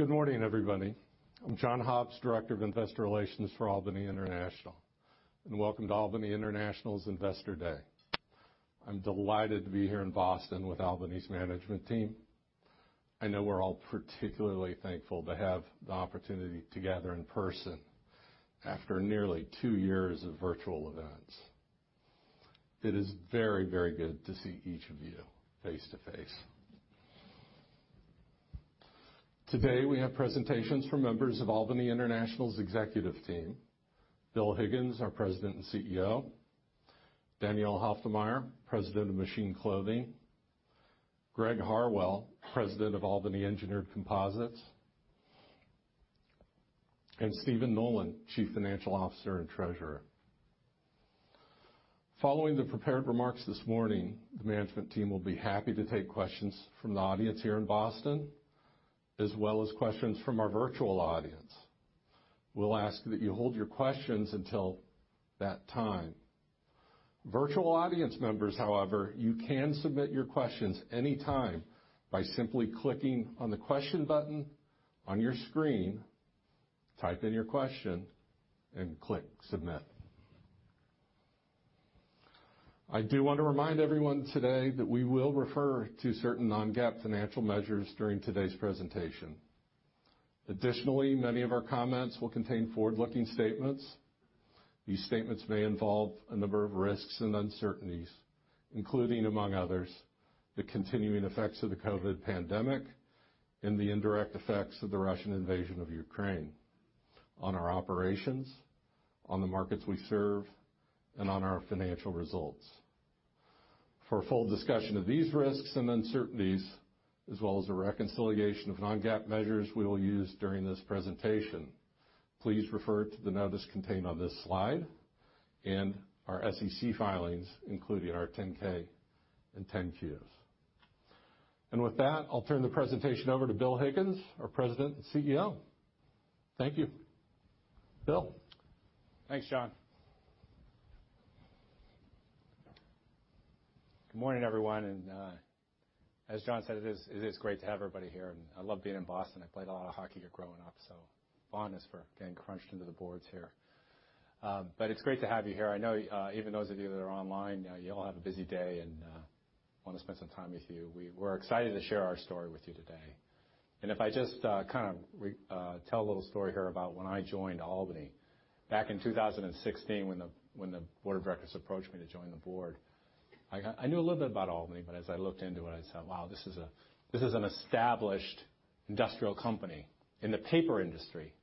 Good morning, everybody. I'm John Hobbs, Director of Investor Relations for Albany International. Welcome to Albany International's Investor Day. I'm delighted to be here in Boston with Albany's management team. I know we're all particularly thankful to have the opportunity to gather in person after nearly two years of virtual events. It is very, very good to see each of you face to face. Today, we have presentations from members of Albany International's executive team. Bill Higgins, our President and CEO. Daniel Halftermeyer, President of Machine Clothing. Greg Harwell, President of Albany Engineered Composites. Stephen Nolan, Chief Financial Officer and Treasurer. Following the prepared remarks this morning, the management team will be happy to take questions from the audience here in Boston, as well as questions from our virtual audience. We'll ask that you hold your questions until that time. Virtual audience members, however, you can submit your questions anytime by simply clicking on the question button on your screen, type in your question, and click Submit. I do wanna remind everyone today that we will refer to certain non-GAAP financial measures during today's presentation. Additionally, many of our comments will contain forward-looking statements. These statements may involve a number of risks and uncertainties, including, among others, the continuing effects of the COVID pandemic and the indirect effects of the Russian invasion of Ukraine on our operations, on the markets we serve, and on our financial results. For a full discussion of these risks and uncertainties, as well as a reconciliation of non-GAAP measures we will use during this presentation, please refer to the notice contained on this slide and our SEC filings, including our 10-K and 10-Qs. With that, I'll turn the presentation over to Bill Higgins, our President and CEO. Thank you. Bill? Thanks, John. Good morning, everyone. As John said, it is great to have everybody here. I love being in Boston. I played a lot of hockey here growing up, so fondness for getting crunched into the boards here. But it's great to have you here. I know, even those of you that are online, you all have a busy day, and, wanna spend some time with you. We're excited to share our story with you today. If I just kind of tell a little story here about when I joined Albany. Back in 2016, when the board of directors approached me to join the board, I knew a little bit about Albany, but as I looked into it, I thought, "Wow, this is an established industrial company in the paper industry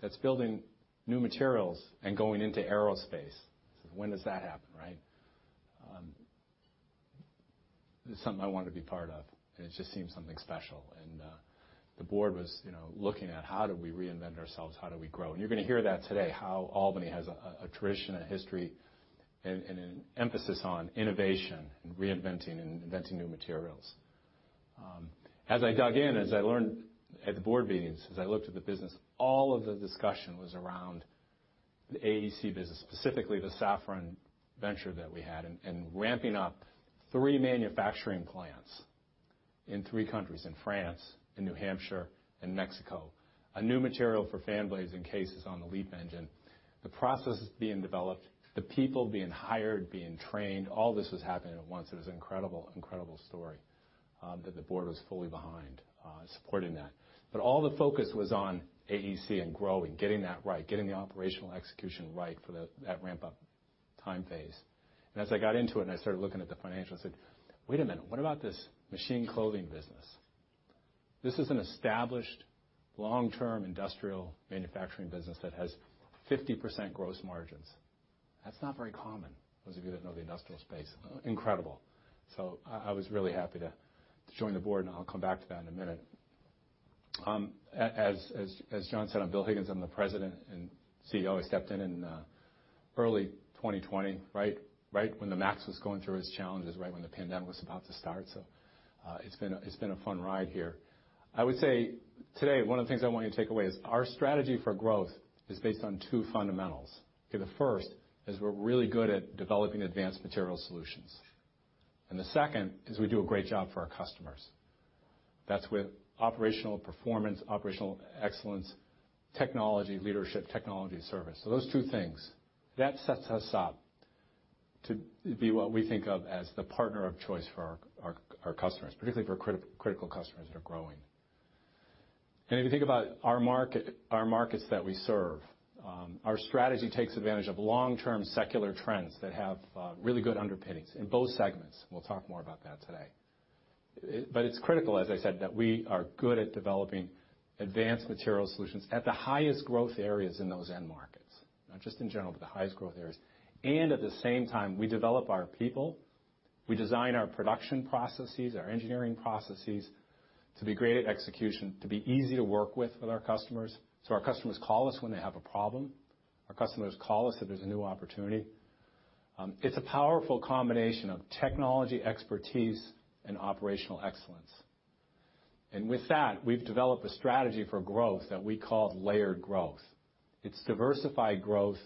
that's building new materials and going into aerospace." When does that happen, right? It's something I wanted to be part of, and it just seemed something special. The board was, you know, looking at how do we reinvent ourselves, how do we grow? You're gonna hear that today, how Albany has a tradition, a history, and an emphasis on innovation and reinventing and inventing new materials. As I dug in, as I learned at the board meetings, as I looked at the business, all of the discussion was around the AEC business, specifically the Safran venture that we had, and ramping up three manufacturing plants in three countries, in France, in New Hampshire, and Mexico. A new material for fan blades and cases on the LEAP engine. The processes being developed, the people being hired, being trained, all this was happening at once. It was an incredible story that the board was fully behind, supporting that. All the focus was on AEC and growing, getting that right, getting the operational execution right for that ramp up time phase. As I got into it, and I started looking at the financials, I said, "Wait a minute. What about this Machine Clothing business?" This is an established long-term industrial manufacturing business that has 50% gross margins. That's not very common, those of you that know the industrial space. Incredible. I was really happy to join the board, and I'll come back to that in a minute. As John said, I'm Bill Higgins. I'm the president and CEO. I stepped in in early 2020, right when the MAX was going through its challenges, right when the pandemic was about to start. It's been a fun ride here. I would say today, one of the things I want you to take away is our strategy for growth is based on two fundamentals. Okay, the first is we're really good at developing advanced material solutions. The second is we do a great job for our customers. That's with operational performance, operational excellence, technology leadership, technology service. Those two things, that sets us up to be what we think of as the partner of choice for our customers, particularly for critical customers that are growing. If you think about our market, our markets that we serve, our strategy takes advantage of long-term secular trends that have really good underpinnings in both segments. We'll talk more about that today. It's critical, as I said, that we are good at developing advanced material solutions at the highest growth areas in those end markets. Not just in general, but the highest growth areas. At the same time, we develop our people, we design our production processes, our engineering processes to be great at execution, to be easy to work with our customers. Our customers call us when they have a problem. Our customers call us if there's a new opportunity. It's a powerful combination of technology expertise and operational excellence. With that, we've developed a strategy for growth that we call layered growth. It's diversified growth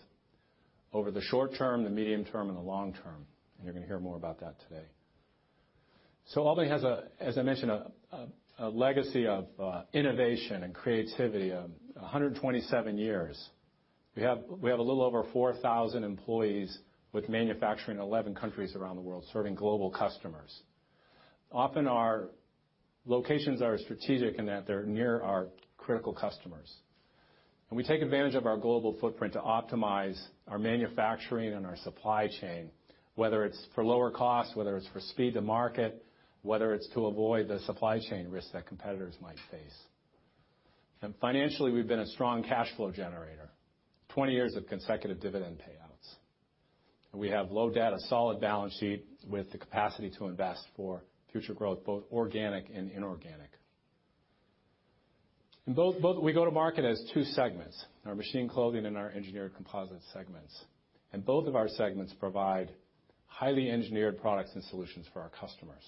over the short term, the medium term, and the long term. You're gonna hear more about that today. Albany has, as I mentioned, a legacy of innovation and creativity of 127 years. We have a little over 4,000 employees with manufacturing in 11 countries around the world, serving global customers. Often, our locations are strategic in that they're near our critical customers. We take advantage of our global footprint to optimize our manufacturing and our supply chain, whether it's for lower costs, whether it's for speed to market, whether it's to avoid the supply chain risks that competitors might face. Financially, we've been a strong cash flow generator. 20 years of consecutive dividend payouts. We have low debt, solid balance sheet with the capacity to invest for future growth, both organic and inorganic. We go to market as two segments, our Machine Clothing and our engineered composites segments. Both of our segments provide highly engineered products and solutions for our customers.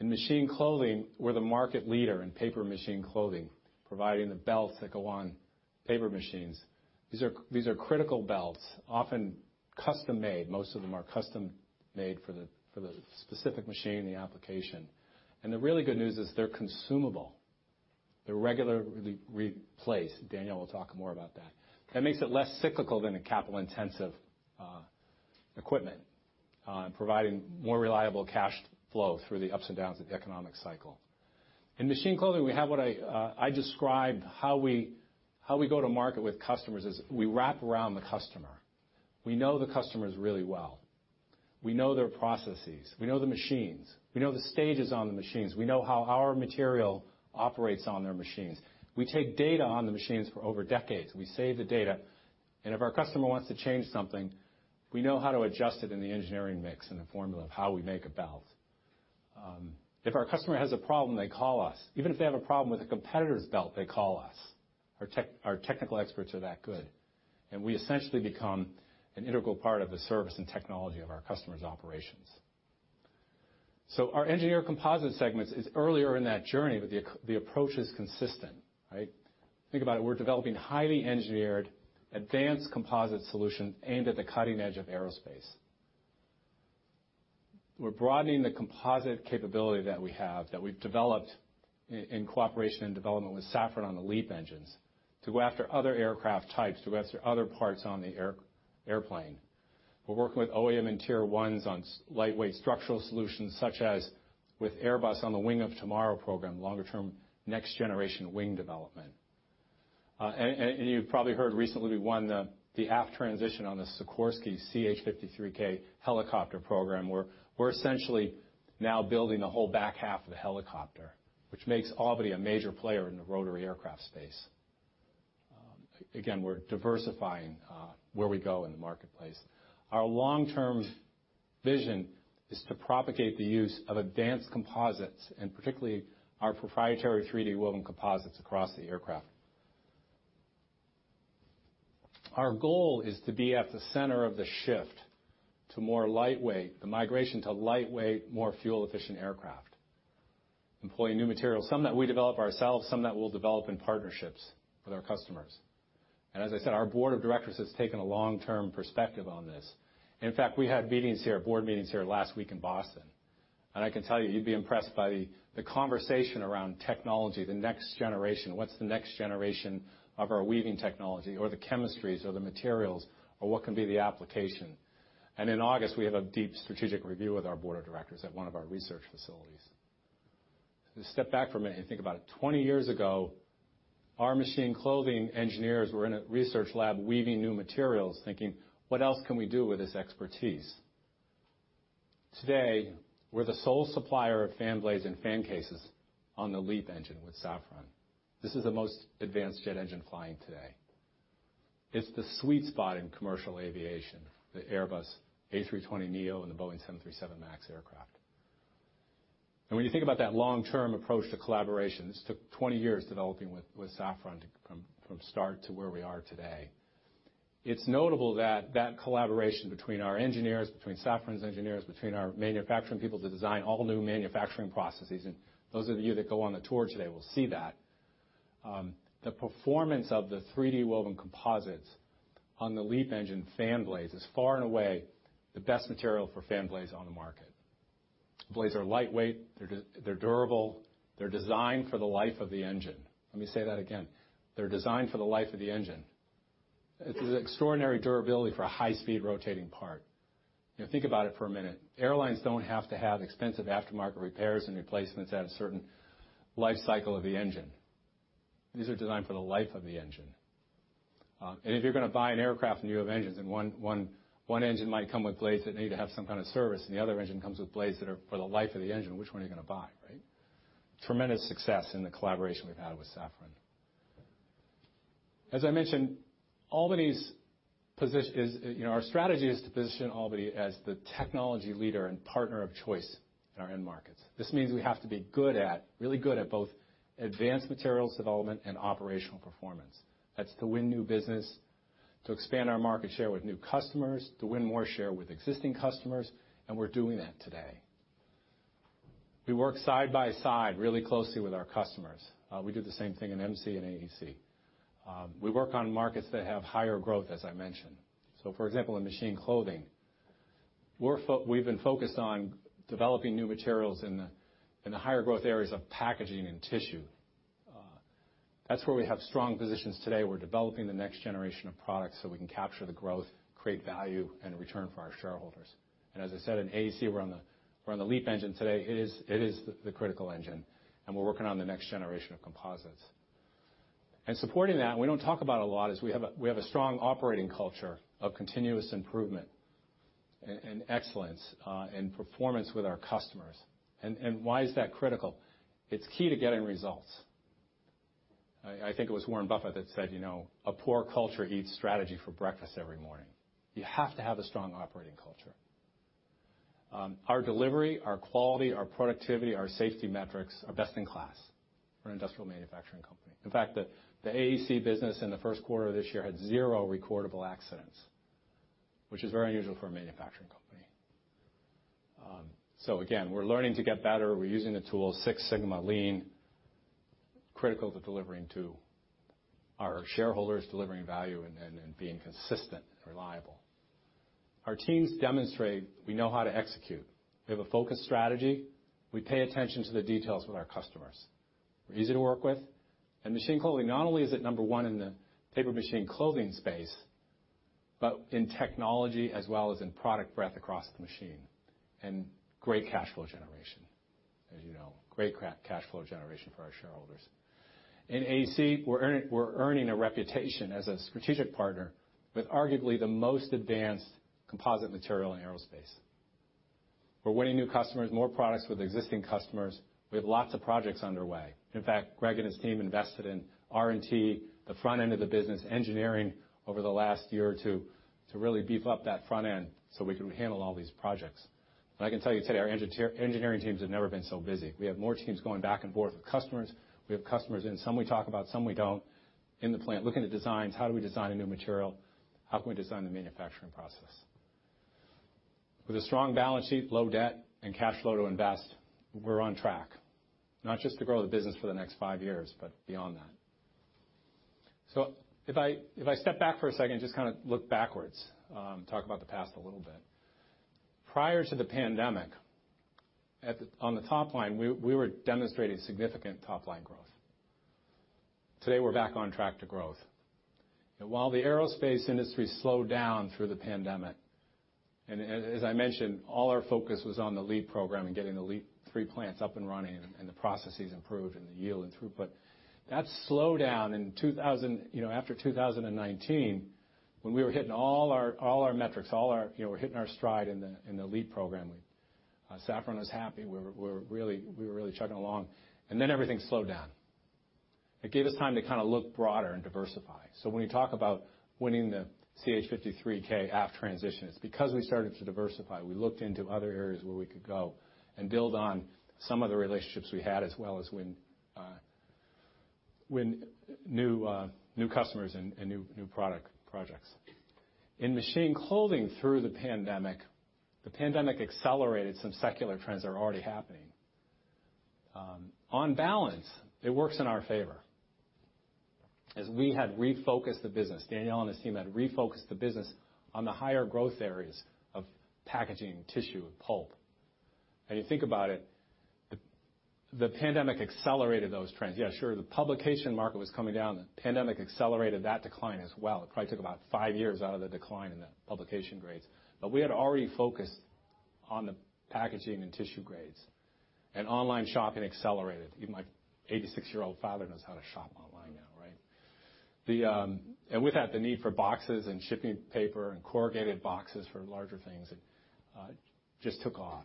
In Machine Clothing, we're the market leader in paper machine clothing, providing the belts that go on paper machines. These are critical belts, often custom-made. Most of them are custom-made for the specific machine, the application. The really good news is they're consumable. They're regularly replaced. Daniel will talk more about that. That makes it less cyclical than a capital intensive equipment, providing more reliable cash flow through the ups and downs of the economic cycle. In Machine Clothing, we have what I describe how we go to market with customers is we wrap around the customer. We know the customers really well. We know their processes. We know the machines. We know the stages on the machines. We know how our material operates on their machines. We take data on the machines for over decades. We save the data, and if our customer wants to change something, we know how to adjust it in the engineering mix and the formula of how we make a belt. If our customer has a problem, they call us. Even if they have a problem with a competitor's belt, they call us. Our technical experts are that good. We essentially become an integral part of the service and technology of our customers' operations. Our engineered composites segment is earlier in that journey, but the approach is consistent, right? Think about it. We're developing highly engineered, advanced composite solution aimed at the cutting edge of aerospace. We're broadening the composite capability that we have, that we've developed in cooperation and development with Safran on the LEAP engines, to go after other aircraft types, to go after other parts on the airplane. We're working with OEM and Tier I's on lightweight structural solutions such as with Airbus on the Wing of Tomorrow program, longer-term, next-generation wing development. You've probably heard recently, we won the aft transition on the Sikorsky CH-53K helicopter program, where we're essentially now building the whole back half of the helicopter, which makes Albany a major player in the rotary aircraft space. Again, we're diversifying where we go in the marketplace. Our long-term vision is to propagate the use of advanced composites, and particularly our proprietary 3D woven composites, across the aircraft. Our goal is to be at the center of the migration to lightweight, more fuel-efficient aircraft. Employing new materials, some that we develop ourselves, some that we'll develop in partnerships with our customers. As I said, our board of directors has taken a long-term perspective on this. In fact, we had meetings here, board meetings here last week in Boston. I can tell you'd be impressed by the conversation around technology, the next generation. What's the next generation of our weaving technology or the chemistries or the materials or what can be the application? In August, we have a deep strategic review with our board of directors at one of our research facilities. To step back for a minute and think about it. 20 years ago, our Machine Clothing engineers were in a research lab weaving new materials, thinking, "What else can we do with this expertise?" Today, we're the sole supplier of fan blades and fan cases on the LEAP engine with Safran. This is the most advanced jet engine flying today. It's the sweet spot in commercial aviation, the Airbus A320neo and the Boeing 737 MAX aircraft. When you think about that long-term approach to collaboration, this took 20 years developing with Safran from start to where we are today. It's notable that collaboration between our engineers, between Safran's engineers, between our manufacturing people to design all new manufacturing processes, and those of you that go on the tour today will see that. The performance of the 3D woven composites on the LEAP engine fan blades is far and away the best material for fan blades on the market. Blades are lightweight. They're durable. They're designed for the life of the engine. Let me say that again. They're designed for the life of the engine. It's an extraordinary durability for a high-speed rotating part. You know, think about it for a minute. Airlines don't have to have expensive aftermarket repairs and replacements at a certain life cycle of the engine. These are designed for the life of the engine. If you're gonna buy an aircraft and you have engines and one engine might come with blades that need to have some kind of service, and the other engine comes with blades that are for the life of the engine, which one are you gonna buy, right? Tremendous success in the collaboration we've had with Safran. As I mentioned. You know, our strategy is to position Albany as the technology leader and partner of choice in our end markets. This means we have to be good at, really good at both advanced materials development and operational performance. That's to win new business, to expand our market share with new customers, to win more share with existing customers, and we're doing that today. We work side by side really closely with our customers. We do the same thing in MC and AEC. We work on markets that have higher growth, as I mentioned. For example, in Machine Clothing, we've been focused on developing new materials in the higher growth areas of packaging and tissue. That's where we have strong positions today. We're developing the next generation of products so we can capture the growth, create value, and return for our shareholders. In AEC, we're on the LEAP engine today. It is the critical engine, and we're working on the next generation of composites. Supporting that, we don't talk about a lot, is we have a strong operating culture of continuous improvement and excellence, and performance with our customers. Why is that critical? It's key to getting results. I think it was Warren Buffett that said, you know, "A poor culture eats strategy for breakfast every morning." You have to have a strong operating culture. Our delivery, our quality, our productivity, our safety metrics are best-in-class for an industrial manufacturing company. In fact, the AEC business in the first quarter of this year had zero recordable accidents, which is very unusual for a manufacturing company. So again, we're learning to get better. We're using the tool Six Sigma Lean, critical to delivering to our shareholders, delivering value, and being consistent and reliable. Our teams demonstrate we know how to execute. We have a focused strategy. We pay attention to the details with our customers. We're easy to work with. Machine Clothing not only is it number one in the paper machine clothing space, but in technology as well as in product breadth across the machine and great cash flow generation. As you know, great cash flow generation for our shareholders. In AEC, we're earning a reputation as a strategic partner with arguably the most advanced composite material in aerospace. We're winning new customers, more products with existing customers. We have lots of projects underway. In fact, Greg and his team invested in R&T, the front end of the business, engineering over the last year or two to really beef up that front end so we can handle all these projects. I can tell you today, our engineering teams have never been so busy. We have more teams going back and forth with customers. We have customers in, some we talk about, some we don't, in the plant, looking at designs. How do we design a new material? How can we design the manufacturing process? With a strong balance sheet, low debt, and cash flow to invest, we're on track, not just to grow the business for the next five years, but beyond that. If I step back for a second and just kinda look backwards, talk about the past a little bit. Prior to the pandemic, on the top line, we were demonstrating significant top-line growth. Today, we're back on track to growth. While the aerospace industry slowed down through the pandemic, as I mentioned, all our focus was on the LEAP program and getting the LEAP-3 plants up and running and the processes improved and the yield and throughput. That slowdown in 2000, you know, after 2019, when we were hitting all our metrics, you know, we were hitting our stride in the LEAP program. Safran was happy. We were really chugging along, and then everything slowed down. It gave us time to kinda look broader and diversify. So when you talk about winning the CH-53K aft transition, it's because we started to diversify. We looked into other areas where we could go and build on some of the relationships we had, as well as win new customers and new product projects. In Machine Clothing through the pandemic, the pandemic accelerated some secular trends that were already happening. On balance, it works in our favor as we had refocused the business. Daniel and his team had refocused the business on the higher growth areas of packaging, tissue, and pulp. You think about it, the pandemic accelerated those trends. Yeah, sure, the publication market was coming down. The pandemic accelerated that decline as well. It probably took about five years out of the decline in the publication grades. We had already focused on the packaging and tissue grades, and online shopping accelerated. Even my 86-year-old father knows how to shop online now, right? With that, the need for boxes and shipping paper and corrugated boxes for larger things just took off.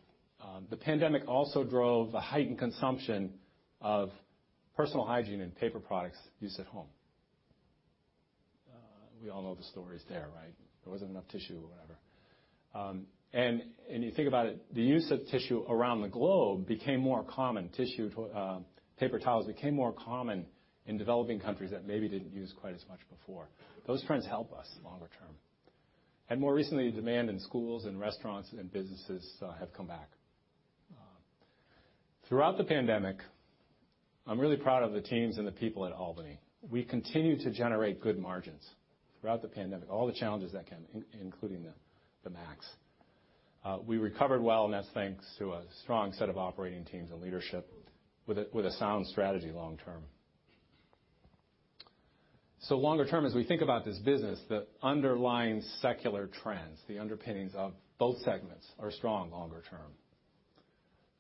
The pandemic also drove a heightened consumption of personal hygiene and paper products used at home. We all know the stories there, right? There wasn't enough tissue or whatever. You think about it, the use of tissue around the globe became more common. Tissue, too, paper towels became more common in developing countries that maybe didn't use quite as much before. Those trends help us longer term. More recently, demand in schools and restaurants and businesses have come back. Throughout the pandemic, I'm really proud of the teams and the people at Albany. We continued to generate good margins throughout the pandemic, all the challenges that came, including the MAX. We recovered well, that's thanks to a strong set of operating teams and leadership with a sound strategy long term. Longer term, as we think about this business, the underlying secular trends, the underpinnings of both segments are strong longer term.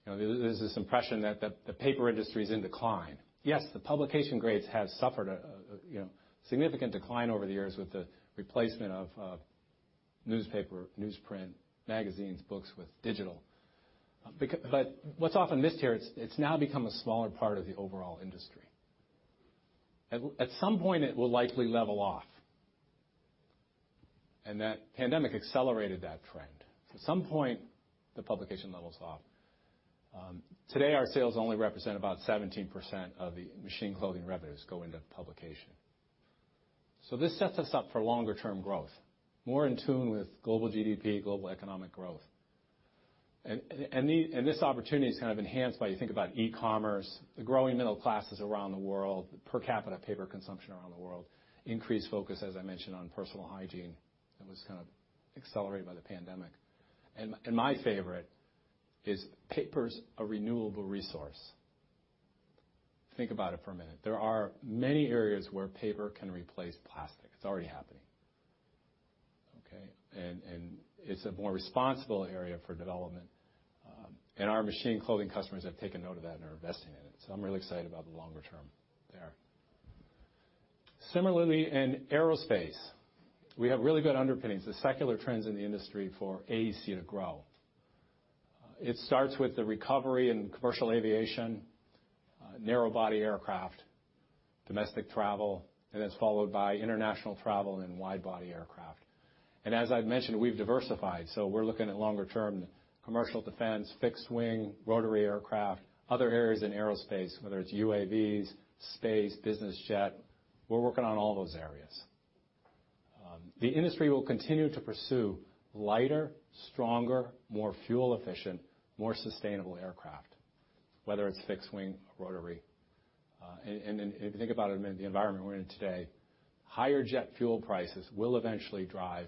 You know, there's this impression that the paper industry is in decline. Yes, the publication grades have suffered a significant decline over the years with the replacement of newspaper, newsprint, magazines, books with digital. But what's often missed here, it's now become a smaller part of the overall industry. At some point, it will likely level off, and that pandemic accelerated that trend. At some point, the publication levels off. Today, our sales only represent about 17% of the Machine Clothing revenues go into publication. This sets us up for longer term growth, more in tune with global GDP, global economic growth. This opportunity is kind of enhanced by, you think about e-commerce, the growing middle classes around the world, per capita paper consumption around the world, increased focus, as I mentioned, on personal hygiene that was kind of accelerated by the pandemic. My favorite is paper's a renewable resource. Think about it for a minute. There are many areas where paper can replace plastic. It's already happening, okay? It's a more responsible area for development, and our Machine Clothing customers have taken note of that and are investing in it. I'm really excited about the longer term there. Similarly, in aerospace, we have really good underpinnings. The secular trends in the industry for AEC to grow. It starts with the recovery in commercial aviation, narrow body aircraft, domestic travel, and it's followed by international travel and wide body aircraft. As I've mentioned, we've diversified, so we're looking at longer term commercial defense, fixed wing, rotary aircraft, other areas in aerospace, whether it's UAVs, space, business jet, we're working on all those areas. The industry will continue to pursue lighter, stronger, more fuel-efficient, more sustainable aircraft, whether it's fixed wing or rotary. If you think about it in the environment we're in today, higher jet fuel prices will eventually drive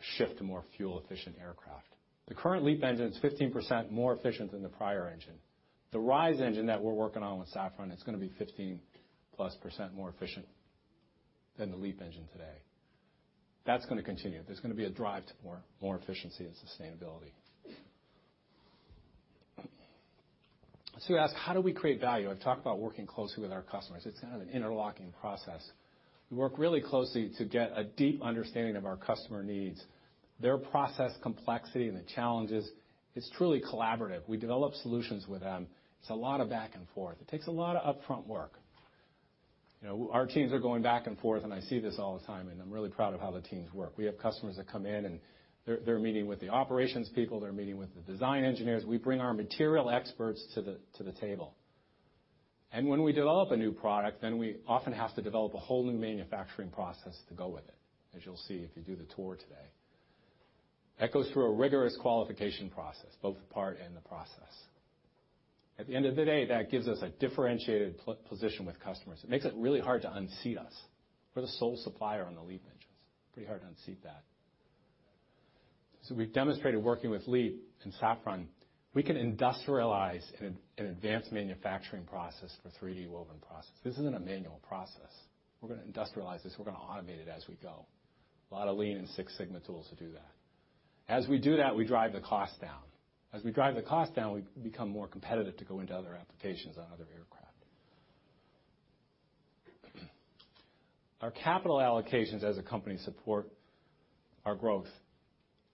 a shift to more fuel-efficient aircraft. The current LEAP engine is 15% more efficient than the prior engine. The RISE engine that we're working on with Safran is gonna be 15%+ more efficient than the LEAP engine today. That's gonna continue. There's gonna be a drive to more efficiency and sustainability. We ask, how do we create value? I've talked about working closely with our customers. It's kind of an interlocking process. We work really closely to get a deep understanding of our customer needs. Their process complexity and the challenges is truly collaborative. We develop solutions with them. It's a lot of back and forth. It takes a lot of upfront work. You know, our teams are going back and forth, and I see this all the time, and I'm really proud of how the teams work. We have customers that come in, and they're meeting with the operations people, they're meeting with the design engineers. We bring our material experts to the table. When we develop a new product, then we often have to develop a whole new manufacturing process to go with it, as you'll see if you do the tour today. That goes through a rigorous qualification process, both the part and the process. At the end of the day, that gives us a differentiated position with customers. It makes it really hard to unseat us. We're the sole supplier on the LEAP engines. Pretty hard to unseat that. We've demonstrated working with LEAP and Safran, we can industrialize an advanced manufacturing process for 3D woven process. This isn't a manual process. We're gonna industrialize this. We're gonna automate it as we go. A lot of Lean and Six Sigma tools to do that. As we do that, we drive the cost down. As we drive the cost down, we become more competitive to go into other applications on other aircraft. Our capital allocations as a company support our growth.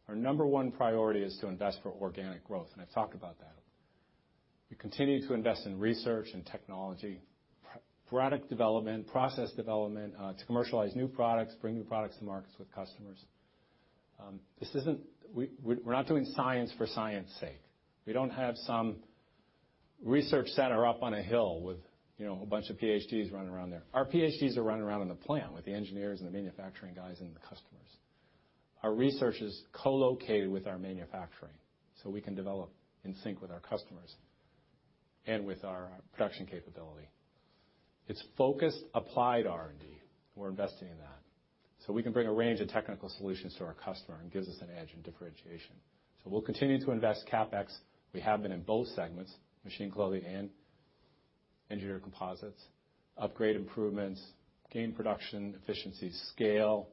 Our number one priority is to invest for organic growth, and I've talked about that. We continue to invest in research and technology, product development, process development, to commercialize new products, bring new products to markets with customers. This isn't. We're not doing science for science sake. We don't have some research center up on a hill with, you know, a bunch of PhDs running around there. Our PhDs are running around in the plant with the engineers and the manufacturing guys and the customers. Our research is co-located with our manufacturing, so we can develop in sync with our customers and with our production capability. It's focused applied R&D. We're investing in that. We can bring a range of technical solutions to our customer, and it gives us an edge and differentiation. We'll continue to invest CapEx. We have been in both segments, Machine Clothing and Engineered Composites, upgrade improvements, gain production, efficiency, scale,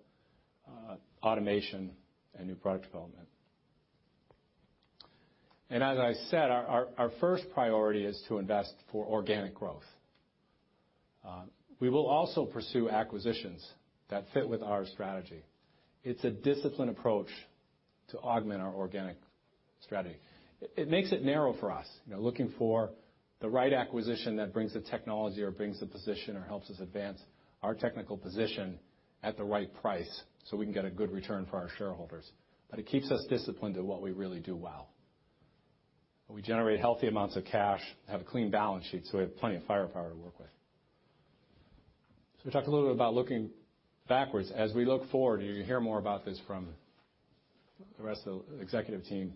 automation, and new product development. As I said, our first priority is to invest for organic growth. We will also pursue acquisitions that fit with our strategy. It's a disciplined approach to augment our organic strategy. It makes it narrow for us, you know, looking for the right acquisition that brings the technology or brings the position or helps us advance our technical position at the right price, so we can get a good return for our shareholders. It keeps us disciplined to what we really do well. We generate healthy amounts of cash, have a clean balance sheet, so we have plenty of firepower to work with. We talked a little bit about looking backwards. As we look forward, and you're gonna hear more about this from the rest of the executive team,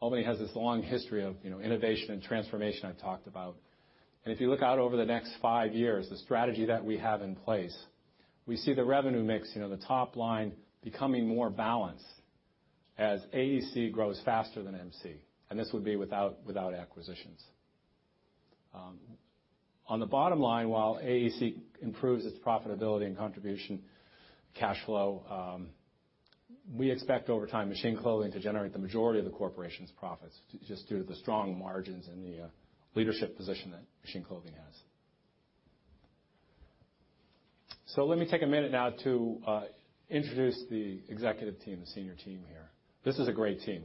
Albany has this long history of, you know, innovation and transformation I talked about. If you look out over the next five years, the strategy that we have in place, we see the revenue mix, you know, the top line becoming more balanced as AEC grows faster than MC, and this would be without acquisitions. On the bottom line, while AEC improves its profitability and contribution cash flow, we expect over time Machine Clothing to generate the majority of the corporation's profits just due to the strong margins and the leadership position that Machine Clothing has. Let me take a minute now to introduce the executive team, the senior team here. This is a great team.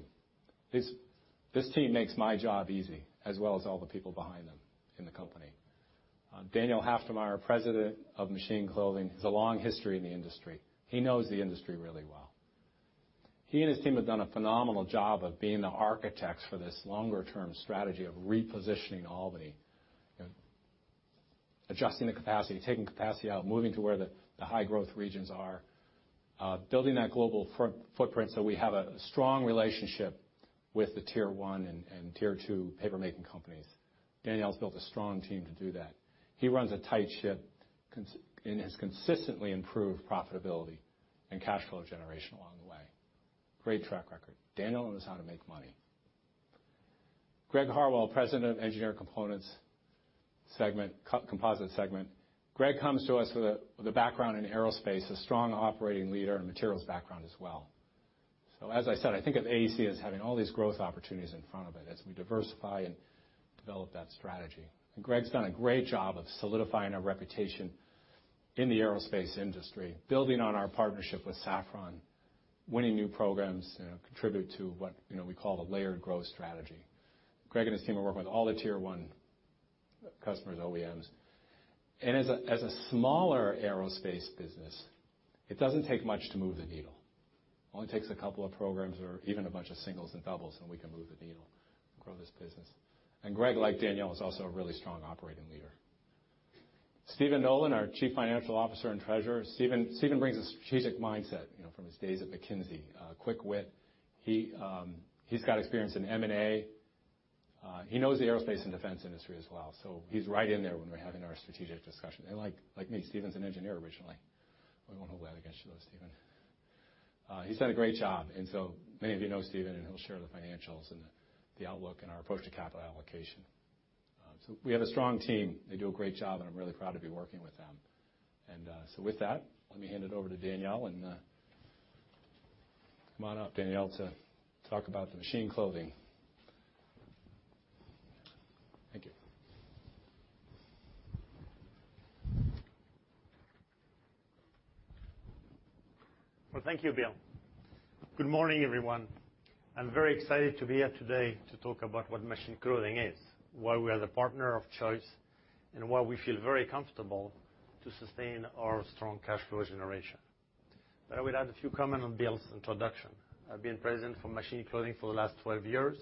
This team makes my job easy, as well as all the people behind them in the company. Daniel Halftermeyer, President of Machine Clothing, has a long history in the industry. He knows the industry really well. He and his team have done a phenomenal job of being the architects for this longer term strategy of repositioning Albany. Adjusting the capacity, taking capacity out, moving to where the high growth regions are, building that global footprint, so we have a strong relationship with the Tier 1 and Tier 2 paper-making companies. Daniel's built a strong team to do that. He runs a tight ship and has consistently improved profitability and cash flow generation along the way. Great track record. Daniel knows how to make money. Greg Harwell, President of Albany Engineered Composites. Greg comes to us with a background in aerospace, a strong operating leader and materials background as well. As I said, I think of AEC as having all these growth opportunities in front of it as we diversify and develop that strategy. Greg's done a great job of solidifying our reputation in the aerospace industry, building on our partnership with Safran, winning new programs, you know, contribute to what, you know, we call the layered growth strategy. Greg and his team are working with all the tier one customers, OEMs. As a smaller aerospace business, it doesn't take much to move the needle. Only takes a couple of programs or even a bunch of singles and doubles, and we can move the needle and grow this business. Greg, like Daniel, is also a really strong operating leader. Stephen Nolan, our Chief Financial Officer and Treasurer. Stephen brings a strategic mindset, you know, from his days at McKinsey, quick wit. He's got experience in M&A. He knows the aerospace and defense industry as well, so he's right in there when we're having our strategic discussion. Like me, Stephen's an engineer originally. We won't hold that against you though, Stephen. He's done a great job. Many of you know Stephen, and he'll share the financials and the outlook and our approach to capital allocation. We have a strong team. They do a great job, and I'm really proud to be working with them. With that, let me hand it over to Daniel, and come on up, Daniel, to talk about the Machine Clothing. Thank you. Well, thank you, Bill. Good morning, everyone. I'm very excited to be here today to talk about what Machine Clothing is, why we are the partner of choice, and why we feel very comfortable to sustain our strong cash flow generation. I will add a few comments on Bill's introduction. I've been President for Machine Clothing for the last 12 years,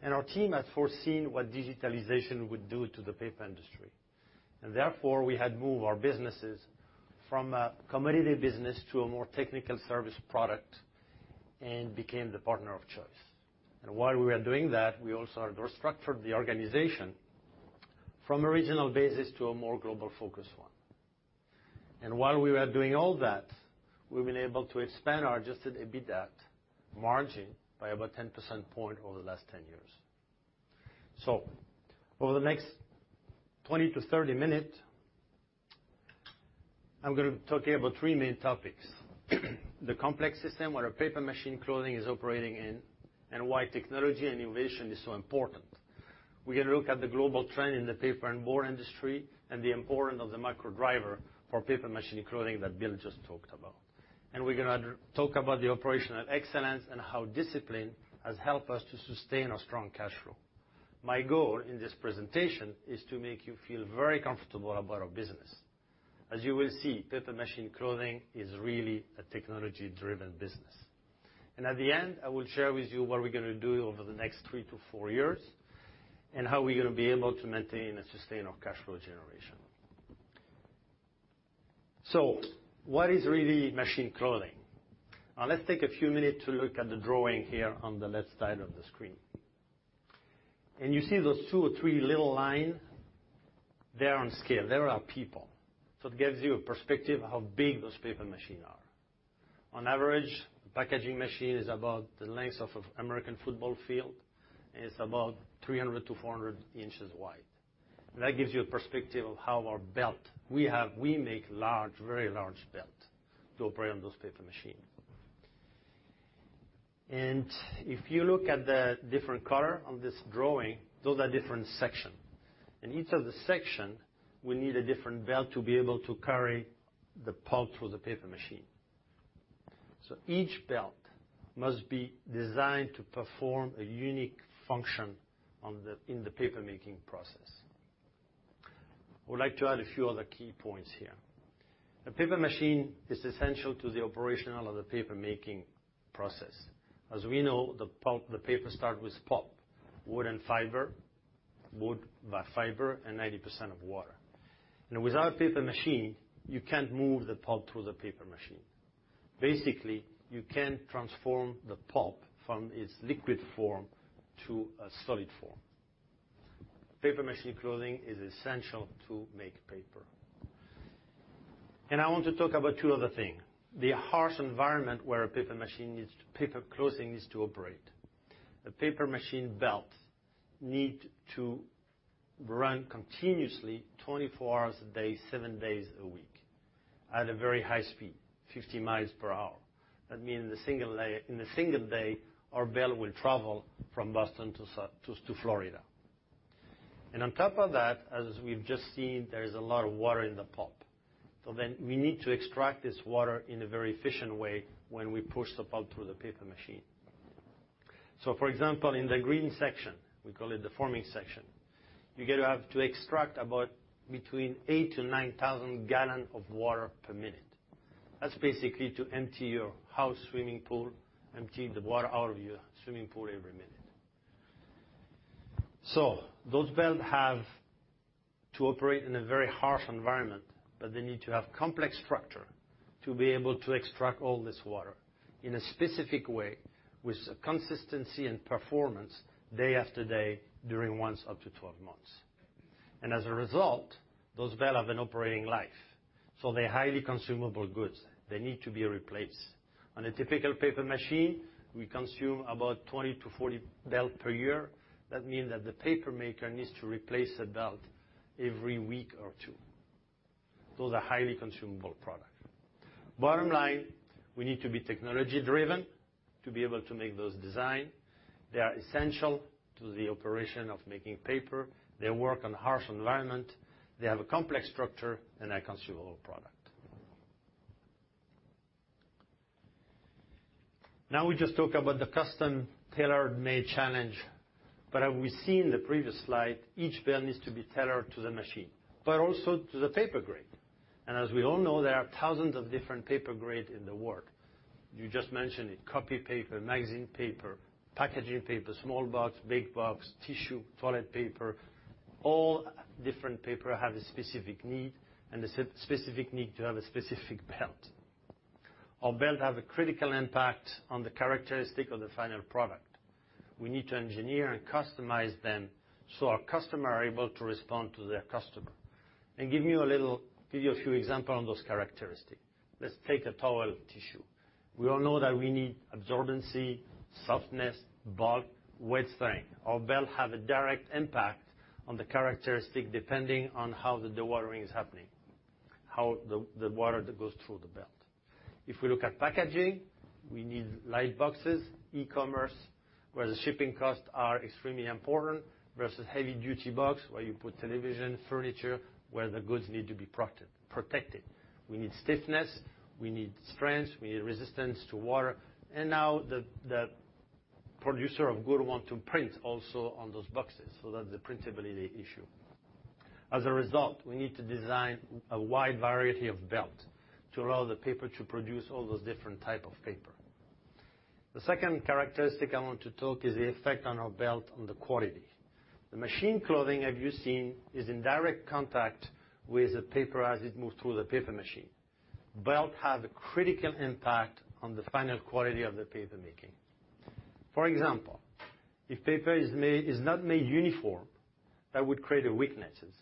and our team has foreseen what digitalization would do to the paper industry. Therefore, we had moved our businesses from a commodity business to a more technical service product and became the partner of choice. While we are doing that, we also have restructured the organization from a regional basis to a more global-focused one. While we were doing all that, we've been able to expand our adjusted EBITDA margin by about 10 percentage points over the last 10 years. Over the next 20-30-minute, I'm gonna talk here about three main topics. The complex system where our paper machine clothing is operating in, and why technology and innovation is so important. We're gonna look at the global trend in the paper and board industry and the importance of the macro driver for paper machine clothing that Bill just talked about. We're gonna talk about the operational excellence and how discipline has helped us to sustain our strong cash flow. My goal in this presentation is to make you feel very comfortable about our business. As you will see, paper machine clothing is really a technology-driven business. At the end, I will share with you what we're gonna do over the next three-four years, and how we're gonna be able to maintain and sustain our cash flow generation. What is really Machine Clothing? Now, let's take a few minutes to look at the drawing here on the left side of the screen. You see those two or three little lines, they are on scale. They are our people. It gives you a perspective of how big those paper machines are. On average, packaging machines are about the length of an American football field, and it's about 300-400 inches wide. That gives you a perspective of how our belts—we make large, very large belts to operate on those paper machines. If you look at the different colors on this drawing, those are different sections. In each of the sections, we need a different belt to be able to carry the pulp through the paper machines. Each belt must be designed to perform a unique function in the paper-making process. I would like to add a few other key points here. A paper machine is essential to the operation of the paper-making process. As we know, the paper starts with pulp, wood and fiber, and 90% of water. Without paper machine, you can't move the pulp through the paper machine. Basically, you can't transform the pulp from its liquid form to a solid form. Paper machine clothing is essential to make paper. I want to talk about two other things. The harsh environment where paper clothing needs to operate. The paper machine belt needs to run continuously 24 hours a day, seven days a week at a very high speed, 50 miles per hour. That means in a single day, our belt will travel from Boston to Florida. On top of that, as we've just seen, there is a lot of water in the pulp. We need to extract this water in a very efficient way when we push the pulp through the paper machine. For example, in the green section, we call it the forming section, you're gonna have to extract about between 8,000-9,000 gallons of water per minute. That's basically to empty the water out of your house swimming pool every minute. Those belts have to operate in a very harsh environment, but they need to have complex structure to be able to extract all this water in a specific way with a consistency and performance day after day during one up to 12 months. As a result, those belts have an operating life, so they're highly consumable goods. They need to be replaced. On a typical paper machine, we consume about 20-40 belts per year. That means that the paper maker needs to replace a belt every week or two. Those are highly consumable product. Bottom line, we need to be technology-driven to be able to make those design. They are essential to the operation of making paper. They work on harsh environment. They have a complex structure and a consumable product. Now we just talk about the custom tailored-made challenge. As we see in the previous slide, each belt needs to be tailored to the machine, but also to the paper grade. As we all know, there are thousands of different paper grade in the world. You just mentioned it, copy paper, magazine paper, packaging paper, small box, big box, tissue, toilet paper, all different paper have a specific need to have a specific belt. Our belt have a critical impact on the characteristic of the final product. We need to engineer and customize them so our customer are able to respond to their customer. Give you a few example on those characteristics. Let's take a towel tissue. We all know that we need absorbency, softness, bulk, wet strength. Our belts have a direct impact on the characteristics depending on how the dewatering is happening, how the water that goes through the belt. If we look at packaging, we need light boxes, e-commerce, where the shipping costs are extremely important, versus heavy duty boxes, where you put television, furniture, where the goods need to be protected. We need stiffness, we need strength, we need resistance to water. Now the producers of goods want to print also on those boxes so that the printability issue. As a result, we need to design a wide variety of belts to allow the producer to produce all those different types of paper. The second characteristic I want to talk is the effect on our belts on the quality. The Machine Clothing, as you've seen, is in direct contact with the paper as it moves through the paper machine. Belts have a critical impact on the final quality of the paper making. For example, if paper is not made uniform, that would create weaknesses.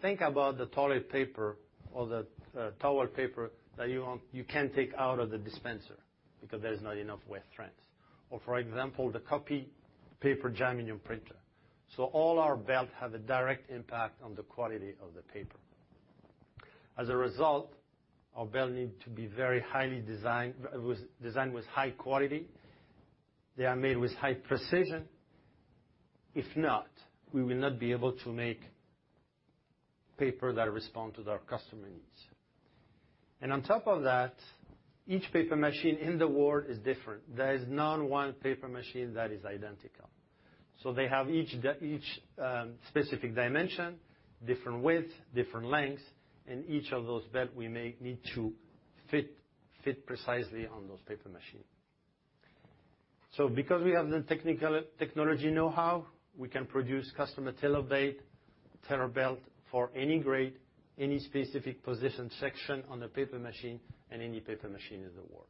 Think about the toilet paper or the towel paper that you want, you can't take out of the dispenser because there is not enough wet strength. Or for example, the copy paper jamming your printer. All our belts have a direct impact on the quality of the paper. As a result, our belts need to be very highly designed with high quality. They are made with high precision. If not, we will not be able to make paper that respond to their customer needs. On top of that, each paper machine in the world is different. There is not one paper machine that is identical. They have each specific dimension, different width, different lengths, and each of those belt we make need to fit precisely on those paper machine. Because we have the technology know-how, we can produce custom-tailor belt for any grade, any specific position section on the paper machine and any paper machine in the world.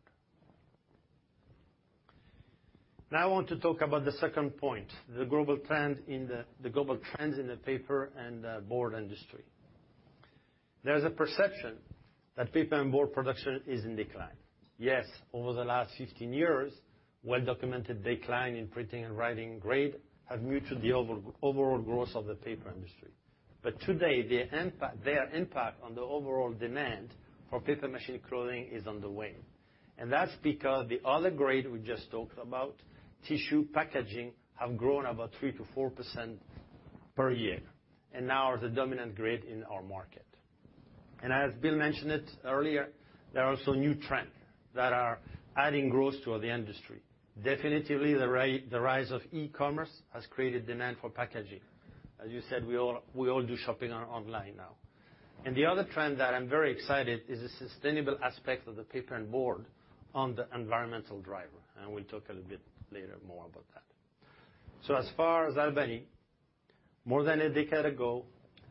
Now I want to talk about the second point, the global trends in the paper and board industry. There's a perception that paper and board production is in decline. Yes, over the last 15 years, well-documented decline in printing and writing grade have muted the overall growth of the paper industry. Today, their impact on the overall demand for paper machine clothing is on the wane. That's because the other grade we just talked about, tissue packaging, have grown about 3%-4% per year, and now is the dominant grade in our market. As Bill mentioned it earlier, there are also new trend that are adding growth to the industry. Definitely, the rise of e-commerce has created demand for packaging. As you said, we all do shopping online now. The other trend that I'm very excited is the sustainable aspect of the paper and board on the environmental driver, and we'll talk a little bit later more about that. As far as Albany, more than a decade ago,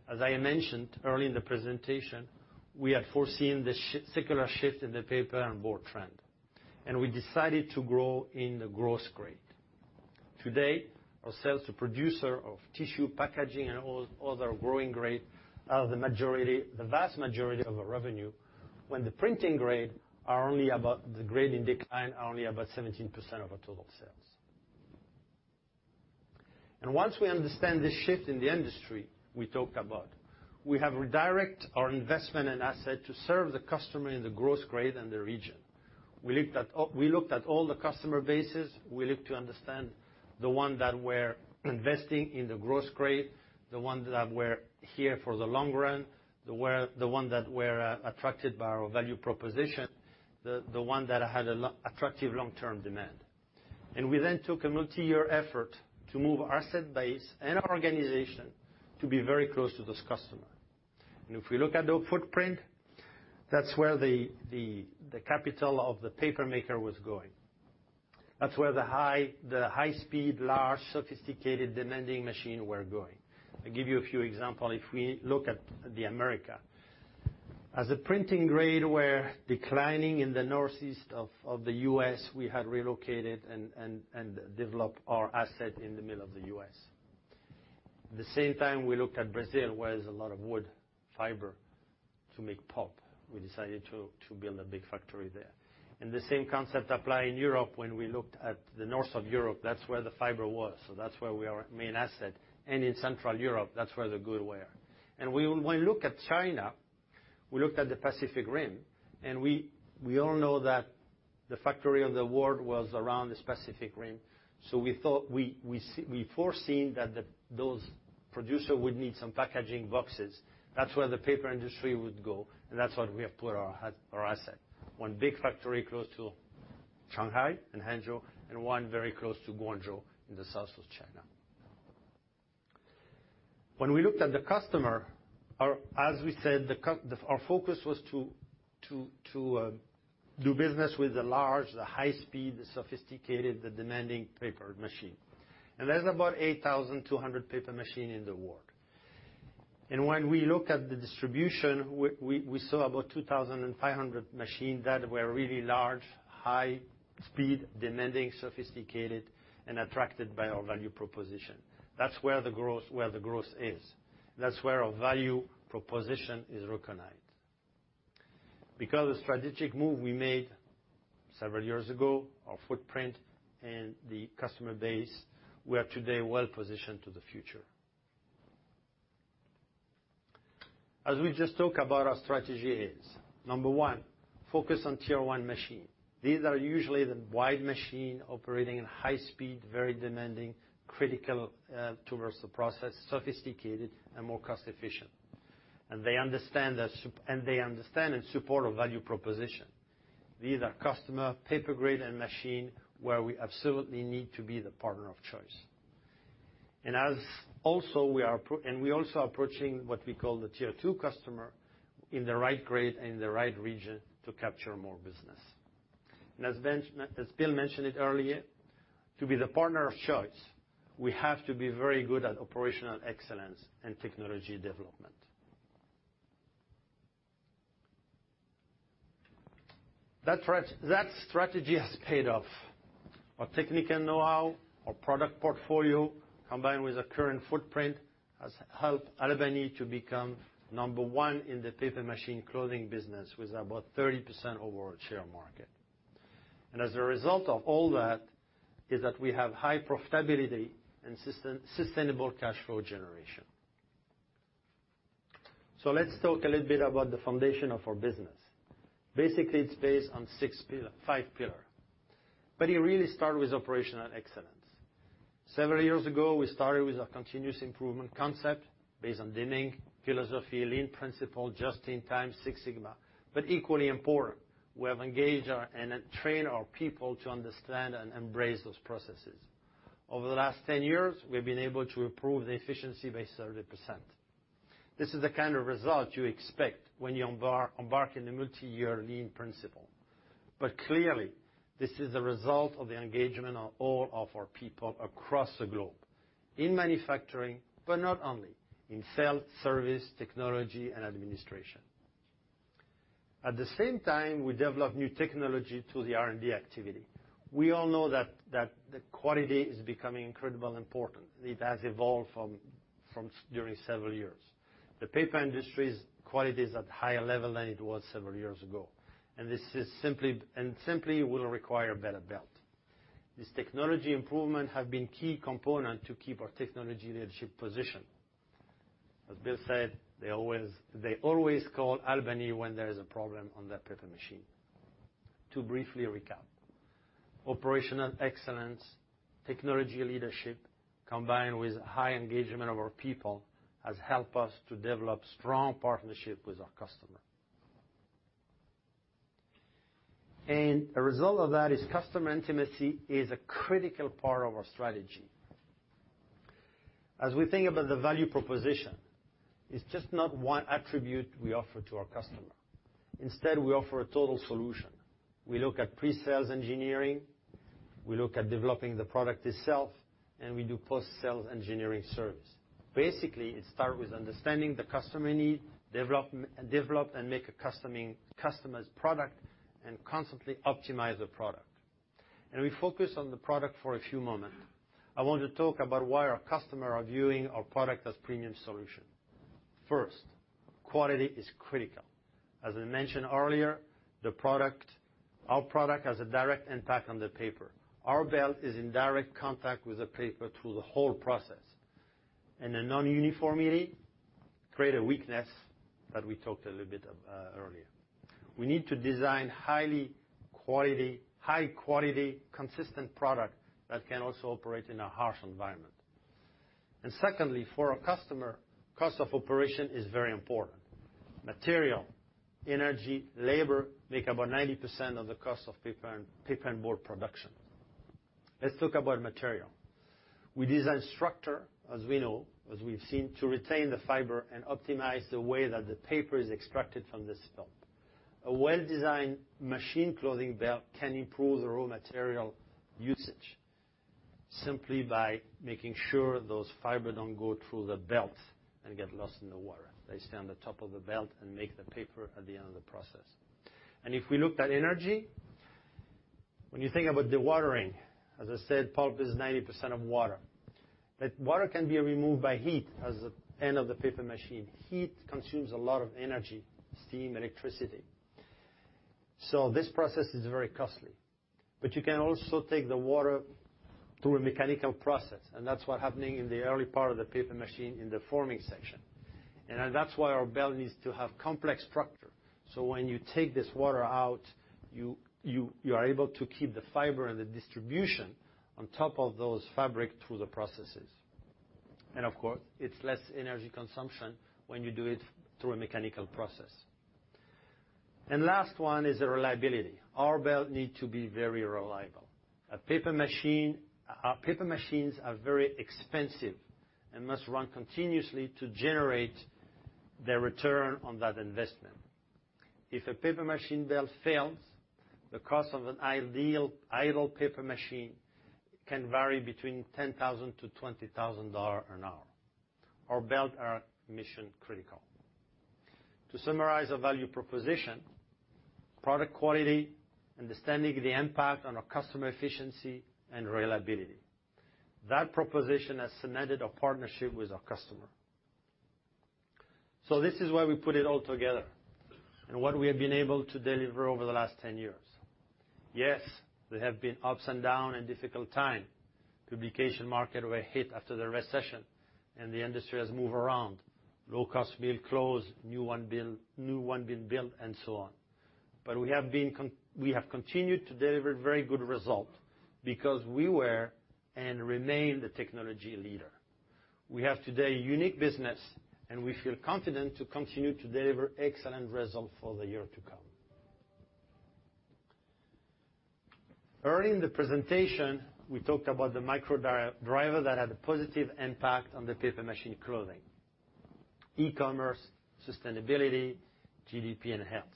as I mentioned earlier in the presentation, we had foreseen the secular shift in the paper and board trend, and we decided to grow in the growth grade. Today, our sales to producers of tissue packaging and other growing grades are the majority, the vast majority of our revenue when the printing grades are only about the grades in decline, are only about 17% of our total sales. Once we understand the shift in the industry we talked about, we have redirected our investment and assets to serve the customers in the growth grades and the regions. We looked at all the customer bases. We looked to understand the ones that we're investing in the growth grades, the ones that we're here for the long run, the ones that were attracted by our value proposition, the ones that had an attractive long-term demand. We then took a multi-year effort to move our asset base and our organization to be very close to these customers. If we look at the footprint, that's where the capital of the paper maker was going. That's where the high speed, large, sophisticated, demanding machine were going. I give you a few example. If we look at the Americas, as a printing grade, we're declining in the Northeast of the U.S., we had relocated and developed our asset in the middle of the U.S. At the same time, we looked at Brazil, where is a lot of wood fiber to make pulp. We decided to build a big factory there. The same concept apply in Europe when we looked at the north of Europe. That's where the fiber was, so that's where we are main asset. In Central Europe, that's where the good were. When we look at China, we looked at the Pacific Rim, and we all know that the factory of the world was around the Pacific Rim. We thought we see we foreseeing that those producer would need some packaging boxes. That's where the paper industry would go, and that's what we have put our asset. One big factory close to Shanghai and Hangzhou, and one very close to Guangzhou in the south of China. When we looked at the customer, as we said, our focus was to do business with the large, the high speed, the sophisticated, the demanding paper machine. There's about 8,200 paper machine in the world. When we look at the distribution, we saw about 2,500 machines that were really large, high speed, demanding, sophisticated and attracted by our value proposition. That's where the growth is. That's where our value proposition is recognized. Because the strategic move we made several years ago, our footprint and the customer base, we are today well positioned to the future. As we just talked about our strategy is, number one, focus on tier one machines. These are usually the wide machines operating in high speed, very demanding, critical towards the process, sophisticated and more cost efficient. They understand and support our value proposition. These are customer paper grade and machines where we absolutely need to be the partner of choice. We are also approaching what we call the tier two customer in the right grade and in the right region to capture more business. As Bill mentioned it earlier, to be the partner of choice, we have to be very good at operational excellence and technology development. That strategy has paid off. Our technical know-how, our product portfolio, combined with our current footprint, has helped Albany to become number one in the paper machine clothing business with about 30% overall market share. As a result of all that, we have high profitability and sustainable cash flow generation. Let's talk a little bit about the foundation of our business. Basically, it's based on five pillars, but it really starts with operational excellence. Several years ago, we started with a continuous improvement concept based on Lean philosophy, Lean principle, just in time, Six Sigma. Equally important, we have engaged our people and then trained our people to understand and embrace those processes. Over the last 10 years, we've been able to improve the efficiency by 30%. This is the kind of result you expect when you embark in a multi-year Lean principle. Clearly, this is a result of the engagement of all of our people across the globe in manufacturing, but not only, in sales, service, technology and administration. At the same time, we develop new technology through the R&D activity. We all know that the quality is becoming incredibly important. It has evolved from during several years. The paper industry's quality is at higher level than it was several years ago, and this simply will require a better belt. This technology improvement have been key component to keep our technology leadership position. As Bill said, they always call Albany when there is a problem on their paper machine. To briefly recap, operational excellence, technology leadership, combined with high engagement of our people, has helped us to develop strong partnership with our customer. As a result of that, customer intimacy is a critical part of our strategy. As we think about the value proposition, it's just not one attribute we offer to our customer. Instead, we offer a total solution. We look at pre-sales engineering, we look at developing the product itself, and we do post-sales engineering service. Basically, it start with understanding the customer need, develop and make a customer's product and constantly optimize the product. We focus on the product for a few moment. I want to talk about why our customer are viewing our product as premium solution. First, quality is critical. As I mentioned earlier, our product has a direct impact on the paper. Our belt is in direct contact with the paper through the whole process. A non-uniformity create a weakness that we talked a little bit earlier. We need to design high quality, consistent product that can also operate in a harsh environment. Secondly, for our customer, cost of operation is very important. Material, energy, labor make up about 90% of the cost of paper and board production. Let's talk about material. We design structure, as we know, as we've seen, to retain the fiber and optimize the way that the paper is extracted from this pulp. A well-designed Machine Clothing belt can improve the raw material usage simply by making sure those fibers don't go through the belt and get lost in the water. They stay on the top of the belt and make the paper at the end of the process. If we look at energy, when you think about dewatering, as I said, pulp is 90% water. Water can be removed by heat at the end of the paper machine. Heat consumes a lot of energy, steam, electricity. This process is very costly. You can also take the water through a mechanical process, and that's what's happening in the early part of the paper machine in the forming section. That's why our belt needs to have complex structure. When you take this water out, you are able to keep the fiber and the distribution on top of those fabric through the processes. Of course, it's less energy consumption when you do it through a mechanical process. Last one is the reliability. Our belt need to be very reliable. Paper machines are very expensive and must run continuously to generate their return on that investment. If a paper machine belt fails, the cost of an idle paper machine can vary between $10,000-$20,000 an hour. Our belt are mission-critical. To summarize our value proposition, product quality, understanding the impact on our customer efficiency, and reliability. That proposition has cemented a partnership with our customer. This is why we put it all together and what we have been able to deliver over the last 10 years. Yes, there have been ups and downs and difficult times. Publication markets were hit after the recession, and the industry has moved around. Low-cost mills closed, new ones built, new ones been built, and so on. We have been we have continued to deliver very good results because we were and remain the technology leader. We have today a unique business, and we feel confident to continue to deliver excellent results for the years to come. Early in the presentation, we talked about the macro drivers that had a positive impact on the paper machine clothing: e-commerce, sustainability, GDP, and health.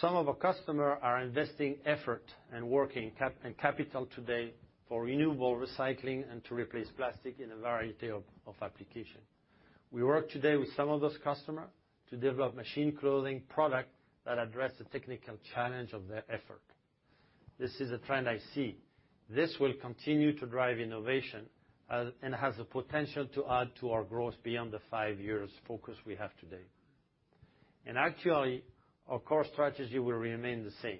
Some of our customers are investing effort and working capital today for renewable recycling and to replace plastic in a variety of application. We work today with some of those customers to develop Machine Clothing products that address the technical challenge of their effort. This is a trend I see. This will continue to drive innovation and has the potential to add to our growth beyond the five years focus we have today. Actually, our core strategy will remain the same.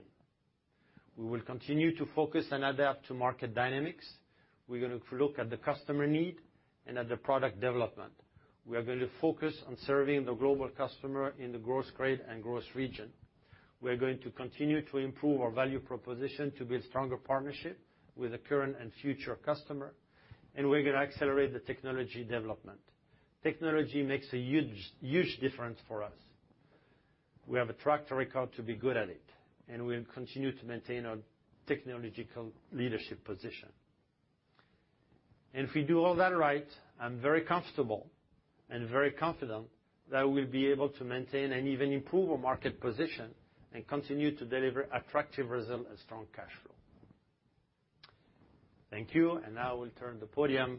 We will continue to focus and adapt to market dynamics. We're gonna look at the customer need and at the product development. We are going to focus on serving the global customer in the growth grade and growth region. We are going to continue to improve our value proposition to build stronger partnership with the current and future customer, and we're gonna accelerate the technology development. Technology makes a huge difference for us. We have a track record to be good at it, and we'll continue to maintain our technological leadership position. If we do all that right, I'm very comfortable and very confident that we'll be able to maintain and even improve our market position and continue to deliver attractive result and strong cash flow. Thank you. Now we'll turn the podium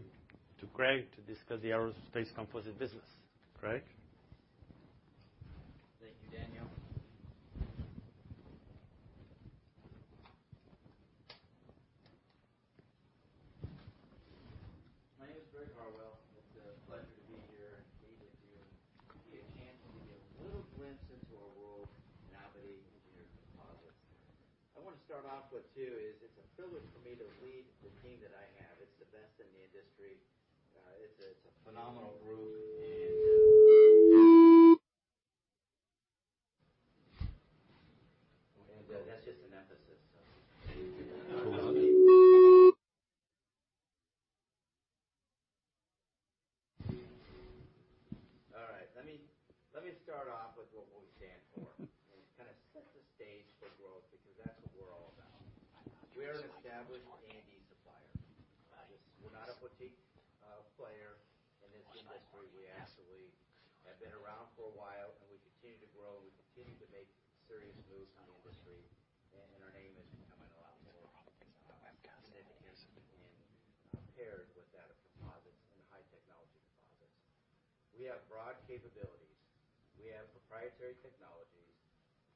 to Greg to discuss the Albany Engineered Composites business. Greg? Thank you, kind of set the stage for growth, because that's what we're all about. We're an established A&D supplier. We're not a boutique player in this industry. We absolutely have been around for a while, and we continue to grow, and we continue to make serious moves in the industry. Our name is becoming a lot more significant and paired with that of composites and high technology composites. We have broad capabilities. We have proprietary technologies.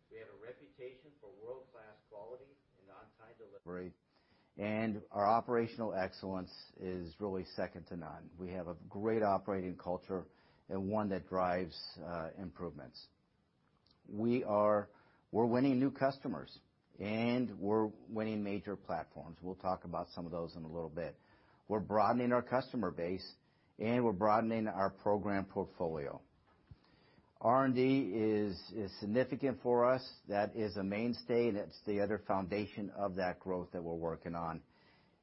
We have a reputation for world-class quality and on-time delivery. Our operational excellence is really second to none. We have a great operating culture and one that drives improvements. We're winning new customers, and we're winning major platforms. We'll talk about some of those in a little bit. We're broadening our customer base, and we're broadening our program portfolio. R&D is significant for us. That is a mainstay, and that's the other foundation of that growth that we're working on.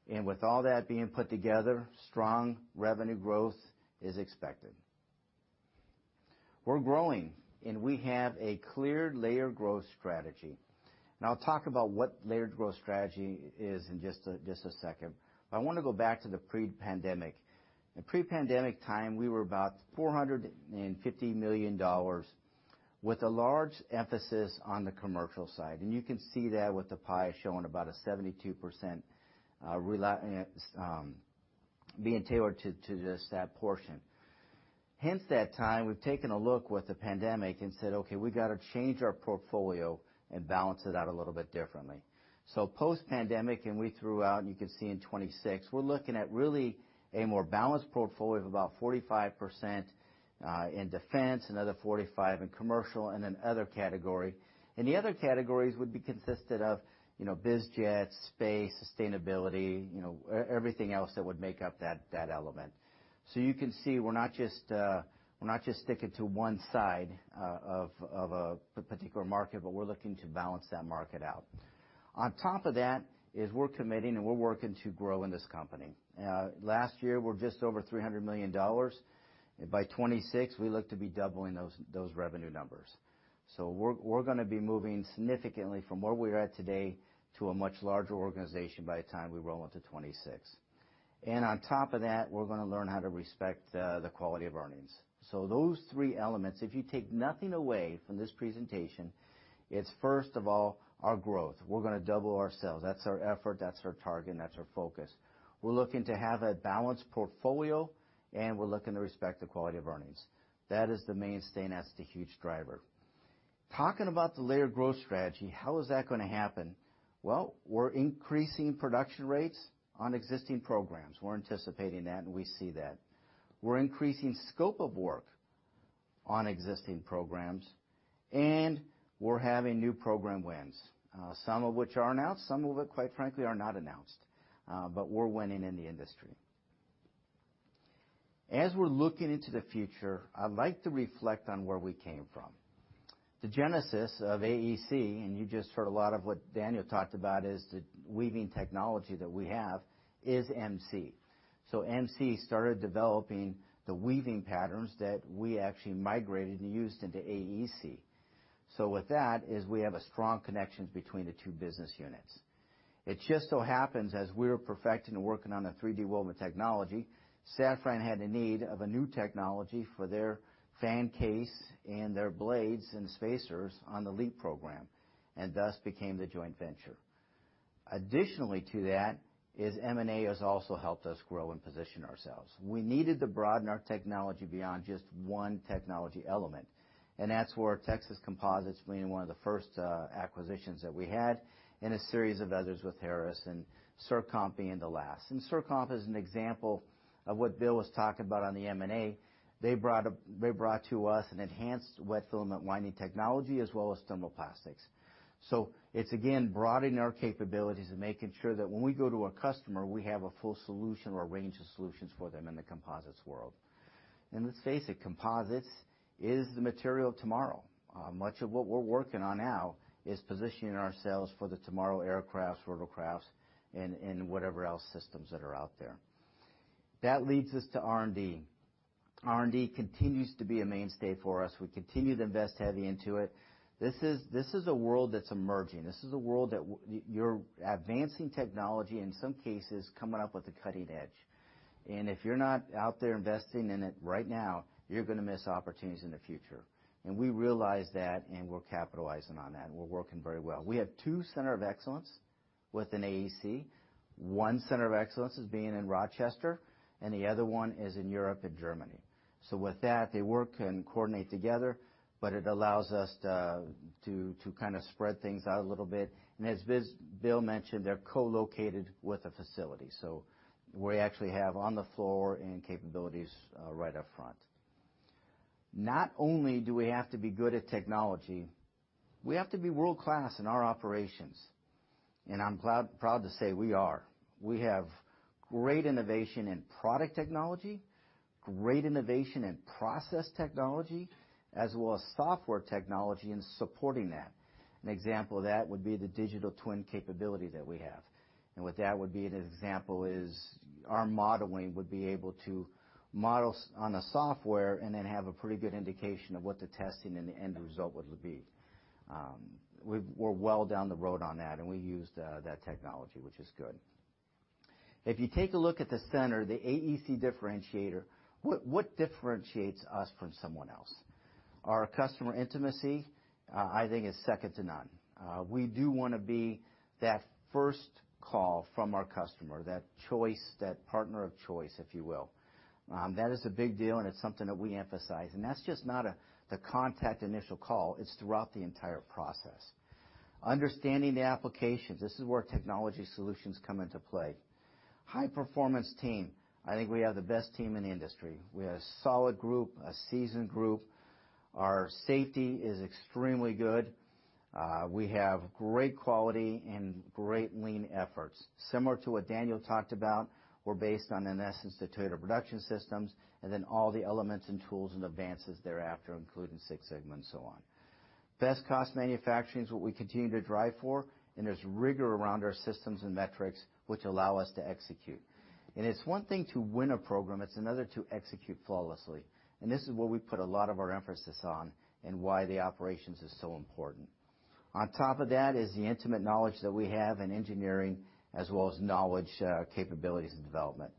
With all that being put together, strong revenue growth is expected. We're growing, and we have a clear layered growth strategy. I'll talk about what layered growth strategy is in just a second. I wanna go back to the pre-pandemic. In pre-pandemic time, we were about $450 million with a large emphasis on the commercial side. You can see that with the pie showing about 72%, being tailored to just that portion. Since that time, we've taken a look at the pandemic and said, "Okay, we gotta change our portfolio and balance it out a little bit differently." Post-pandemic, we laid out, and you can see in 2026, we're looking at really a more balanced portfolio of about 45% in defense, another 45% in commercial and then other category. The other categories would be consisted of, you know, biz jets, space, sustainability, you know, everything else that would make up that element. You can see, we're not just sticking to one side of the particular market, but we're looking to balance that market out. On top of that, we're committing, and we're working to grow in this company. Last year, we're just over $300 million. By 2026, we look to be doubling those revenue numbers. We're gonna be moving significantly from where we're at today to a much larger organization by the time we roll into 2026. On top of that, we're gonna learn how to respect the quality of earnings. Those three elements, if you take nothing away from this presentation, it's first of all, our growth. We're gonna double our sales. That's our effort, that's our target, and that's our focus. We're looking to have a balanced portfolio, and we're looking to respect the quality of earnings. That is the mainstay, and that's the huge driver. Talking about the layered growth strategy, how is that gonna happen? Well, we're increasing production rates on existing programs. We're anticipating that, and we see that. We're increasing scope of work on existing programs, and we're having new program wins, some of which are announced, some of it, quite frankly, are not announced, but we're winning in the industry. As we're looking into the future, I'd like to reflect on where we came from. The genesis of AEC, and you just heard a lot of what Daniel talked about, is the weaving technology that we have is MC. MC started developing the weaving patterns that we actually migrated and used into AEC. With that is we have a strong connection between the two business units. It just so happens as we were perfecting and working on the 3D woven technology, Safran had a need of a new technology for their fan case and their blades and spacers on the LEAP program, and thus became the joint venture. Additionally to that is M&A has also helped us grow and position ourselves. We needed to broaden our technology beyond just one technology element, and that's where Texas Composites being one of the first, acquisitions that we had and a series of others with Harris and CirComp being the last. SureComp is an example of what Bill was talking about on the M&A. They brought to us an enhanced wet filament winding technology as well as thermoplastics. It's again, broadening our capabilities and making sure that when we go to a customer, we have a full solution or a range of solutions for them in the composites world. Let's face it, composites is the material of tomorrow. Much of what we're working on now is positioning ourselves for the tomorrow aircrafts, rotorcrafts, and whatever else systems that are out there. That leads us to R&D. R&D continues to be a mainstay for us. We continue to invest heavily into it. This is a world that's emerging. This is a world that you're advancing technology, in some cases, coming up with the cutting edge. If you're not out there investing in it right now, you're gonna miss opportunities in the future. We realize that, and we're capitalizing on that, and we're working very well. We have two center of excellence within AEC. One center of excellence is being in Rochester, and the other one is in Europe and Germany. With that, they work and coordinate together, but it allows us to kind of spread things out a little bit. As Bill mentioned, they're co-located with the facility. We actually have on the floor and capabilities right up front. Not only do we have to be good at technology, we have to be world-class in our operations, and I'm proud to say we are. We have great innovation in product technology, great innovation in process technology, as well as software technology in supporting that. An example of that would be the digital twin capability that we have. With that would be an example is our modeling would be able to model on a software and then have a pretty good indication of what the testing and the end result would be. We're well down the road on that, and we use that technology, which is good. If you take a look at the center, the AEC differentiator, what differentiates us from someone else? Our customer intimacy, I think, is second to none. We do wanna be that first call from our customer, that choice, that partner of choice, if you will. That is a big deal, and it's something that we emphasize. That's just not the initial contact call, it's throughout the entire process. Understanding the applications, this is where technology solutions come into play. High-performance team. I think we have the best team in the industry. We have a solid group, a seasoned group. Our safety is extremely good. We have great quality and great lean efforts. Similar to what Daniel talked about, we're based on, in essence, the Toyota Production System, and then all the elements and tools and advances thereafter, including Six Sigma and so on. Best cost manufacturing is what we continue to drive for, and there's rigor around our systems and metrics which allow us to execute. It's one thing to win a program, it's another to execute flawlessly. This is where we put a lot of our emphasis on and why the operations is so important. On top of that is the intimate knowledge that we have in engineering, as well as knowledge, capabilities and development.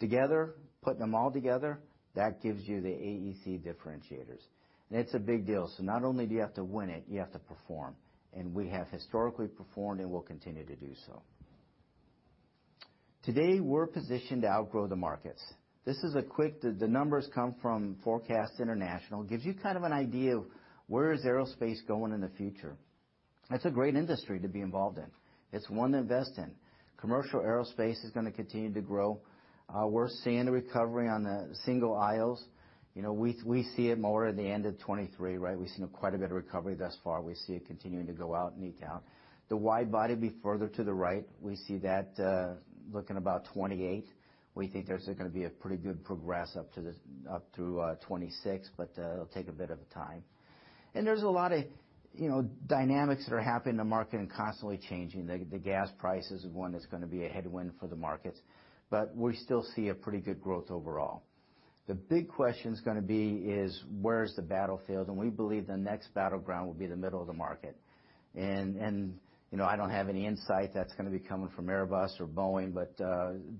Together, putting them all together, that gives you the AEC differentiators. It's a big deal. Not only do you have to win it, you have to perform. We have historically performed and will continue to do so. Today, we're positioned to outgrow the markets. The numbers come from Forecast International. Gives you kind of an idea of where is aerospace going in the future. It's a great industry to be involved in. It's one to invest in. Commercial aerospace is gonna continue to grow. We're seeing a recovery on the single aisles. You know, we see it more at the end of 2023, right? We've seen quite a bit of recovery thus far. We see it continuing to go out and eke out. The wide body will be further to the right. We see that, looking about 2028. We think there's gonna be a pretty good progress up through 2026, but it'll take a bit of a time. There's a lot of, you know, dynamics that are happening in the market and constantly changing. The gas price is one that's gonna be a headwind for the markets. But we still see a pretty good growth overall. The big question's gonna be is, where is the battlefield? We believe the next battleground will be the middle of the market. You know, I don't have any insight that's gonna be coming from Airbus or Boeing, but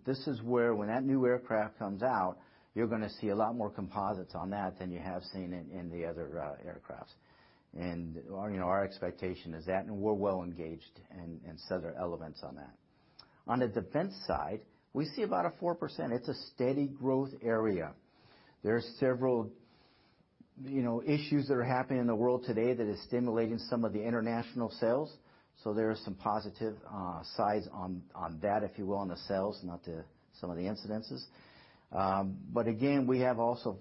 this is where when that new aircraft comes out, you're gonna see a lot more composites on that than you have seen in the other aircrafts. Our you know, our expectation is that, and we're well engaged in certain elements on that. On the defense side, we see about a 4%. It's a steady growth area. There are several you know issues that are happening in the world today that is stimulating some of the international sales. There is some positive sides on that, if you will, on the sales, not some of the incidents. Again, we have also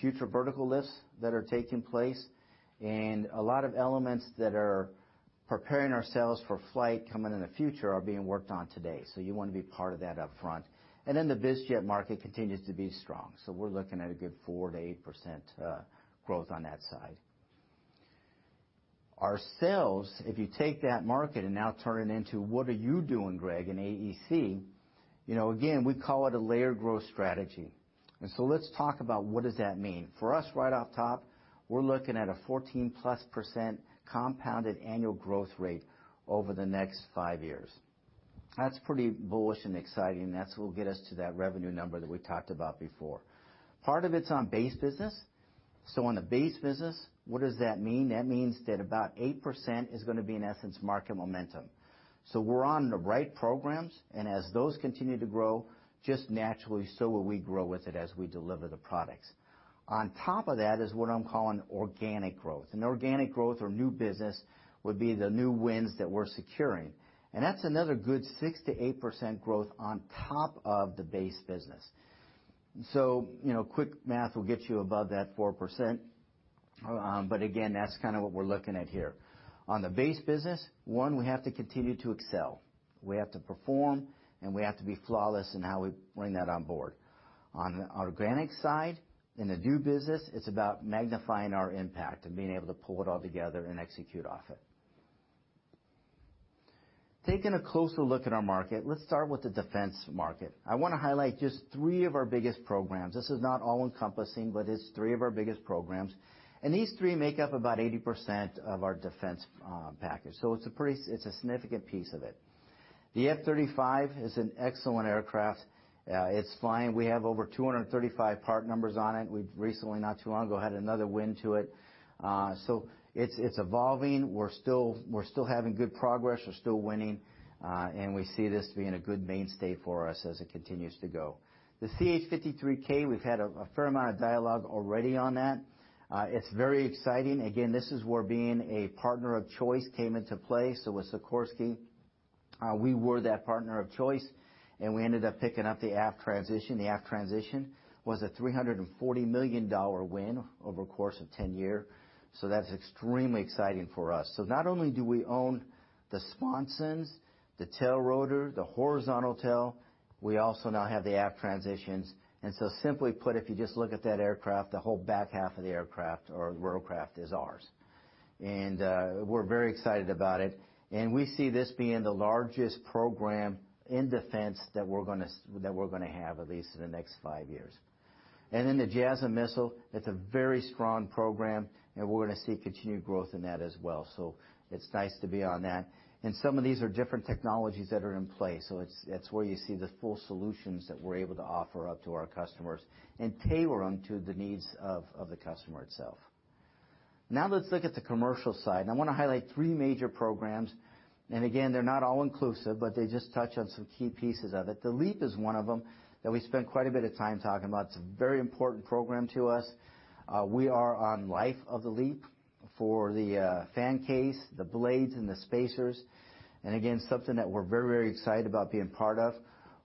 future vertical lifts that are taking place, and a lot of elements that are preparing ourselves for flight coming in the future are being worked on today. You wanna be part of that upfront. The biz jet market continues to be strong. We're looking at a good 4%-8% growth on that side. Our sales, if you take that market and now turn it into what are you doing, Greg, in AEC? You know, again, we call it a layered growth strategy. Let's talk about what does that mean. For us, right off top, we're looking at a 14+% compounded annual growth rate over the next five years. That's pretty bullish and exciting. That's what will get us to that revenue number that we talked about before. Part of it's on base business. On the base business, what does that mean? That means that about 8% is gonna be, in essence, market momentum. We're on the right programs, and as those continue to grow, just naturally, so will we grow with it as we deliver the products. On top of that is what I'm calling organic growth. Organic growth or new business would be the new wins that we're securing. That's another good 6%-8% growth on top of the base business. You know, quick math will get you above that 4%. Again, that's kinda what we're looking at here. On the base business, one, we have to continue to excel. We have to perform, and we have to be flawless in how we bring that on board. On the organic side, in the new business, it's about magnifying our impact and being able to pull it all together and execute off it. Taking a closer look at our market, let's start with the defense market. I wanna highlight just three of our biggest programs. This is not all-encompassing, but it's three of our biggest programs. These three make up about 80% of our defense package. It's a pretty significant piece of it. The F-35 is an excellent aircraft. It's flying. We have over 235 part numbers on it. We've recently, not too long ago, had another win to it. It's evolving. We're still having good progress. We're still winning. We see this being a good mainstay for us as it continues to go. The CH-53K, we've had a fair amount of dialogue already on that. It's very exciting. Again, this is where being a partner of choice came into play. With Sikorsky, we were that partner of choice, and we ended up picking up the aft transition. The aft transition was a $340 million win over a course of 10 years. That's extremely exciting for us. Not only do we own the sponsons, the tail rotor, the horizontal tail, we also now have the aft transitions. Simply put, if you just look at that aircraft, the whole back half of the aircraft or rotorcraft is ours. We're very excited about it. We see this being the largest program in defense that we're gonna have at least in the next five years. The JASSM missile, it's a very strong program, and we're gonna see continued growth in that as well. It's nice to be on that. Some of these are different technologies that are in place, so it's where you see the full solutions that we're able to offer up to our customers and tailor them to the needs of the customer itself. Now let's look at the commercial side, and I wanna highlight three major programs. Again, they're not all inclusive, but they just touch on some key pieces of it. The LEAP is one of them that we spent quite a bit of time talking about. It's a very important program to us. We are on life of the LEAP. For the fan case, the blades and the spacers. Again, something that we're very, very excited about being part of.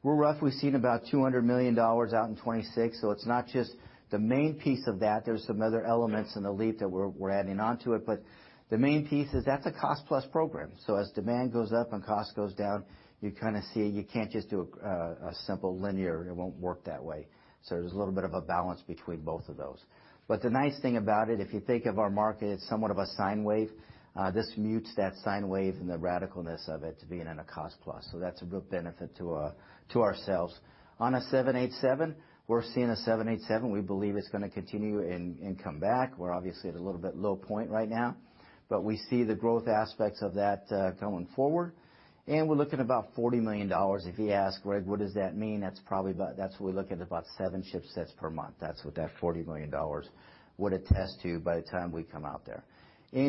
We're roughly seeing about $200 million out in 2026, so it's not just the main piece of that. There's some other elements in the LEAP that we're adding on to it, but the main piece is that's a cost-plus program. So as demand goes up and cost goes down, you kind of see you can't just do a simple linear. It won't work that way. So there's a little bit of a balance between both of those. But the nice thing about it, if you think of our market, it's somewhat of a sine wave. This mutes that sine wave and the radicalness of it to being in a cost-plus. So that's a real benefit to ourselves. On a 787, we're seeing a 787. We believe it's gonna continue and come back. We're obviously at a little bit low point right now, but we see the growth aspects of that, going forward. We're looking at about $40 million. If you ask, Greg, what does that mean? That's what we're looking at about seven ship sets per month. That's what that $40 million would attest to by the time we come out there.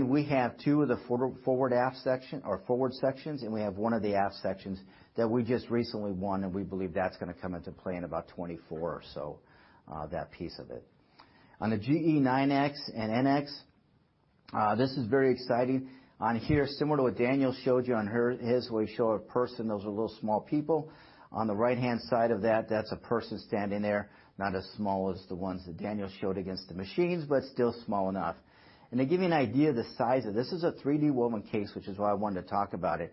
We have two of the forward aft section or forward sections, and we have one of the aft sections that we just recently won, and we believe that's gonna come into play in about 2024 or so, that piece of it. On the GE9X and GEnx, this is very exciting. On here, similar to what Daniel showed you on his way of showing a person, those are little small people. On the right-hand side of that's a person standing there, not as small as the ones that Daniel showed against the machines, but still small enough. To give you an idea of the size of it, this is a 3D woven case, which is why I wanted to talk about it.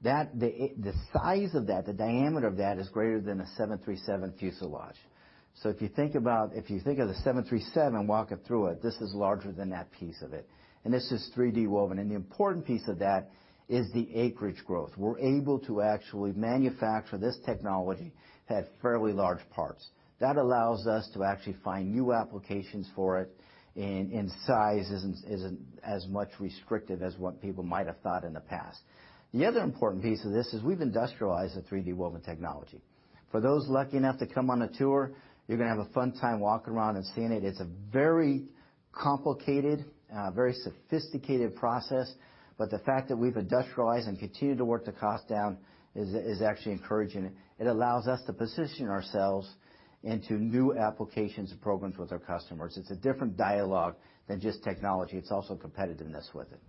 That the size of that, the diameter of that is greater than a 737 fuselage. If you think of the 737 walking through it, this is larger than that piece of it. This is 3D woven, and the important piece of that is the acreage growth. We're able to actually manufacture this technology at fairly large parts. That allows us to actually find new applications for it, and size isn't as much restrictive as what people might have thought in the past. The other important piece of this is we've industrialized the 3D woven technology. For those lucky enough to come on a tour, you're gonna have a fun time walking around and seeing it. It's a very complicated, very sophisticated process, but the fact that we've industrialized and continued to work the cost down is actually encouraging. It allows us to position ourselves into new applications and programs with our customers. It's a different dialogue than just technology. It's also competitiveness with it.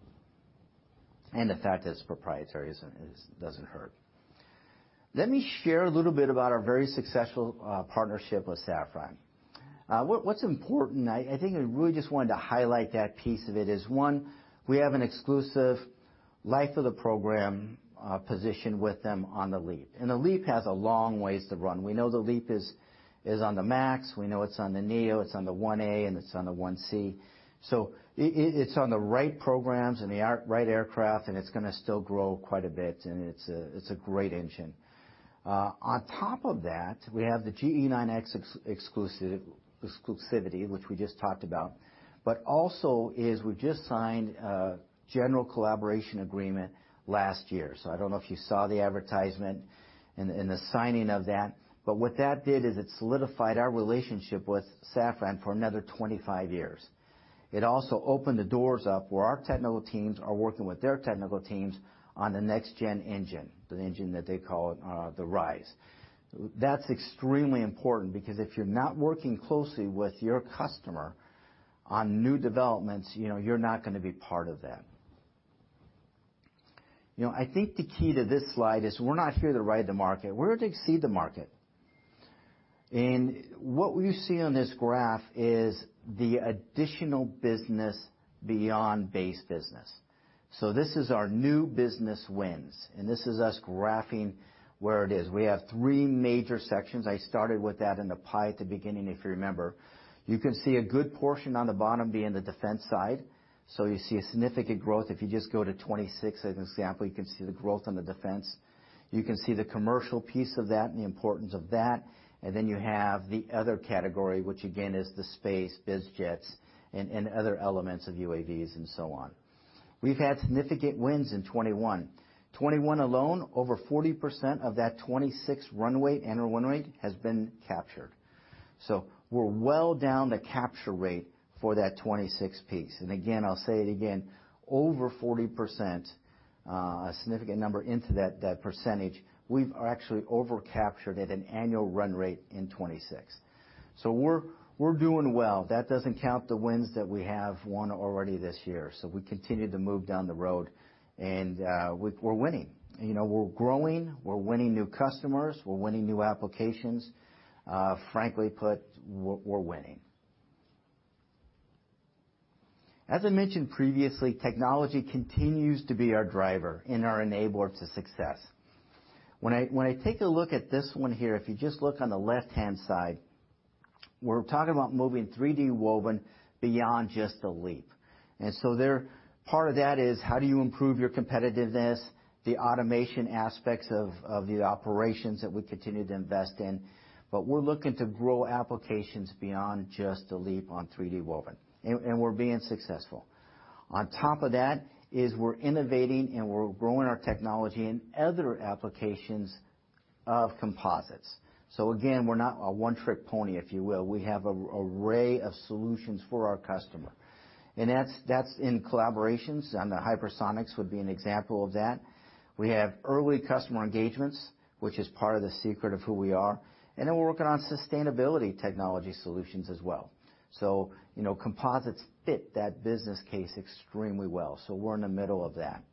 The fact that it's proprietary doesn't hurt. Let me share a little bit about our very successful partnership with Safran. What's important, I think I really just wanted to highlight that piece of it is, one, we have an exclusive life of the program position with them on the LEAP. The LEAP has a long ways to run. We know the LEAP is on the MAX. We know it's on the NEO, it's on the one A, and it's on the 1C. It's on the right programs and the right aircraft, and it's gonna still grow quite a bit. It's a great engine. On top of that, we have the GE9X exclusivity, which we just talked about, but also we've just signed a general collaboration agreement last year. I don't know if you saw the advertisement and the signing of that, but what that did is it solidified our relationship with Safran for another 25 years. It also opened the doors up where our technical teams are working with their technical teams on the next gen engine, the engine that they call the RISE. That's extremely important because if you're not working closely with your customer on new developments, you know, you're not gonna be part of that. You know, I think the key to this slide is we're not here to ride the market. We're here to exceed the market. What you see on this graph is the additional business beyond base business. This is our new business wins, and this is us graphing where it is. We have three major sections. I started with that in the pie at the beginning, if you remember. You can see a good portion on the bottom being the defense side. You see a significant growth. If you just go to 2026 as an example, you can see the growth on the defense. You can see the commercial piece of that and the importance of that. Then you have the other category, which again, is the space, biz jets and other elements of UAVs and so on. We've had significant wins in 2021. 2021 alone, over 40% of that 2026 run rate, annual run rate, has been captured. We're well down the capture rate for that 2026 piece. Again, I'll say it again, over 40%, a significant number into that percentage, we are actually over captured at an annual run rate in 2026. We're doing well. That doesn't count the wins that we have won already this year. We continue to move down the road, and we're winning. You know, we're growing, we're winning new customers, we're winning new applications. Frankly put, we're winning. As I mentioned previously, technology continues to be our driver and our enabler to success. When I take a look at this one here, if you just look on the left-hand side, we're talking about moving 3D woven beyond just the LEAP. There, part of that is how do you improve your competitiveness, the automation aspects of the operations that we continue to invest in. We're looking to grow applications beyond just the LEAP on 3D woven, and we're being successful. On top of that, we're innovating, and we're growing our technology in other applications of composites. We're not a one-trick pony, if you will. We have a array of solutions for our customer. That's in collaborations, and the hypersonics would be an example of that. We have early customer engagements, which is part of the secret of who we are, and then we're working on sustainability technology solutions as well. You know, composites fit that business case extremely well. We're in the middle of that.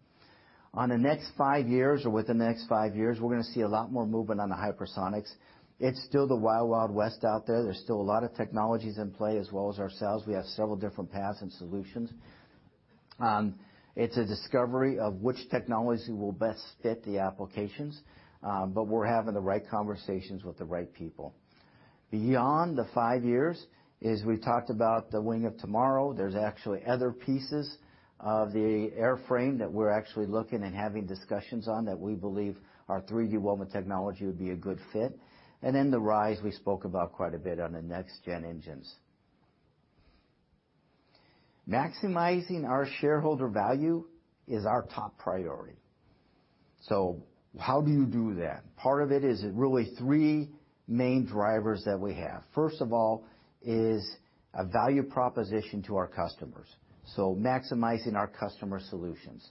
On the next five years or within the next five years, we're gonna see a lot more movement on the hypersonics. It's still the Wild Wild West out there. There's still a lot of technologies in play as well as ourselves. We have several different paths and solutions. It's a discovery of which technology will best fit the applications, but we're having the right conversations with the right people. Beyond the five years is we talked about the Wing of Tomorrow. There's actually other pieces of the airframe that we're actually looking and having discussions on that we believe our 3D woven technology would be a good fit. Then the RISE we spoke about quite a bit on the next gen engines. Maximizing our shareholder value is our top priority. How do you do that? Part of it is really three main drivers that we have. First of all is a value proposition to our customers, so maximizing our customer solutions.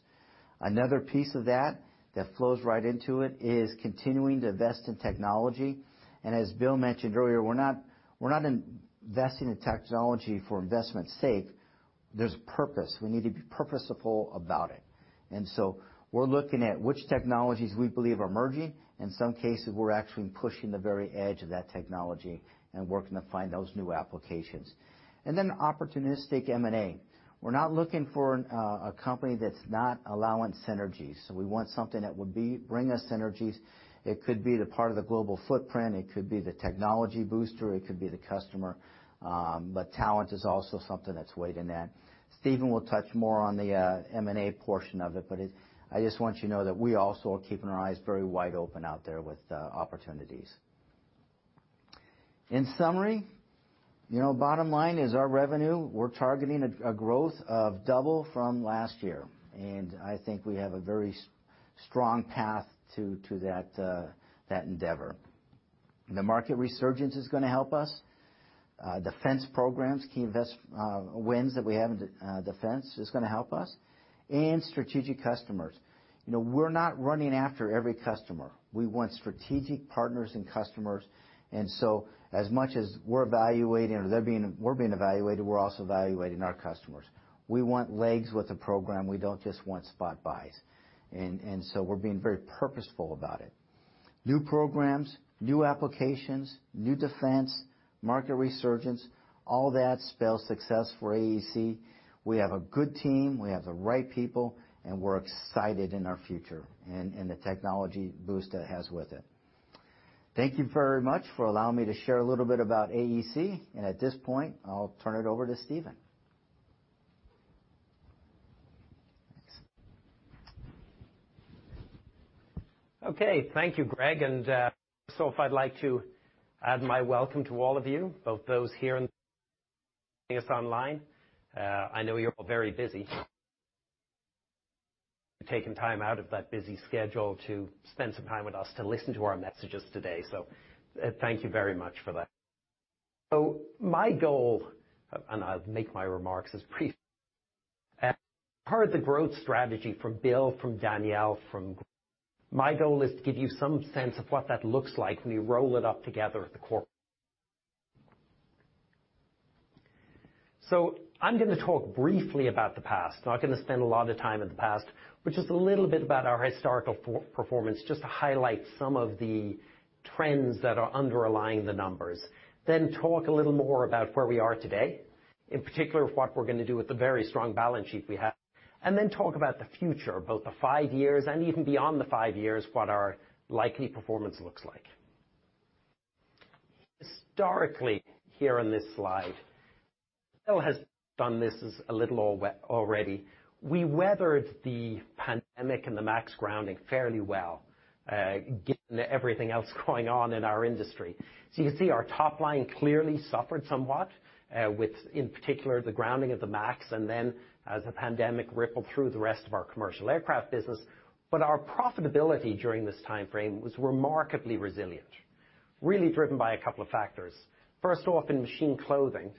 Another piece of that that flows right into it is continuing to invest in technology. As Bill mentioned earlier, we're not investing in technology for investment's sake. There's purpose. We need to be purposeful about it. We're looking at which technologies we believe are emerging. In some cases, we're actually pushing the very edge of that technology and working to find those new applications. Then opportunistic M&A. We're not looking for a company that's not allowing synergies. We want something that would bring us synergies. It could be the part of the global footprint, it could be the technology booster, it could be the customer, but talent is also something that's weighed in that. Stephen will touch more on the M&A portion of it, but I just want you to know that we also are keeping our eyes very wide open out there with opportunities. In summary, you know, bottom line is our revenue. We're targeting a growth of double from last year, and I think we have a very strong path to that endeavor. The market resurgence is gonna help us. Defense programs, key investment wins that we have in defense is gonna help us and strategic customers. You know, we're not running after every customer. We want strategic partners and customers. As much as we're evaluating, we're being evaluated, we're also evaluating our customers. We want legs with the program, we don't just want spot buys. We're being very purposeful about it. New programs, new applications, new defense, market resurgence, all that spells success for AEC. We have a good team, we have the right people, and we're excited in our future and the technology boost that it has with it. Thank you very much for allowing me to share a little bit about AEC. At this point, I'll turn it over to Stephen. Okay. Thank you, Greg. If I'd like to add my welcome to all of you, both those here and joining us online. I know you're all very busy taking time out of that busy schedule to spend some time with us, to listen to our messages today. Thank you very much for that. My goal, and I'll make my remarks brief. Part of the growth strategy from Bill, from Daniel, my goal is to give you some sense of what that looks like when you roll it up together at the core. I'm gonna talk briefly about the past. Not gonna spend a lot of time in the past, but just a little bit about our historical performance, just to highlight some of the trends that are underlying the numbers. Talk a little more about where we are today, in particular, what we're gonna do with the very strong balance sheet we have. Talk about the future, both the five years and even beyond the five years, what our likely performance looks like. Historically, here in this slide, Bill has done this a little already. We weathered the pandemic and the MAX grounding fairly well, given everything else going on in our industry. You can see our top line clearly suffered somewhat with, in particular, the grounding of the MAX, and then as the pandemic rippled through the rest of our commercial aircraft business. Our profitability during this timeframe was remarkably resilient, really driven by a couple of factors. First off, in Machine Clothing,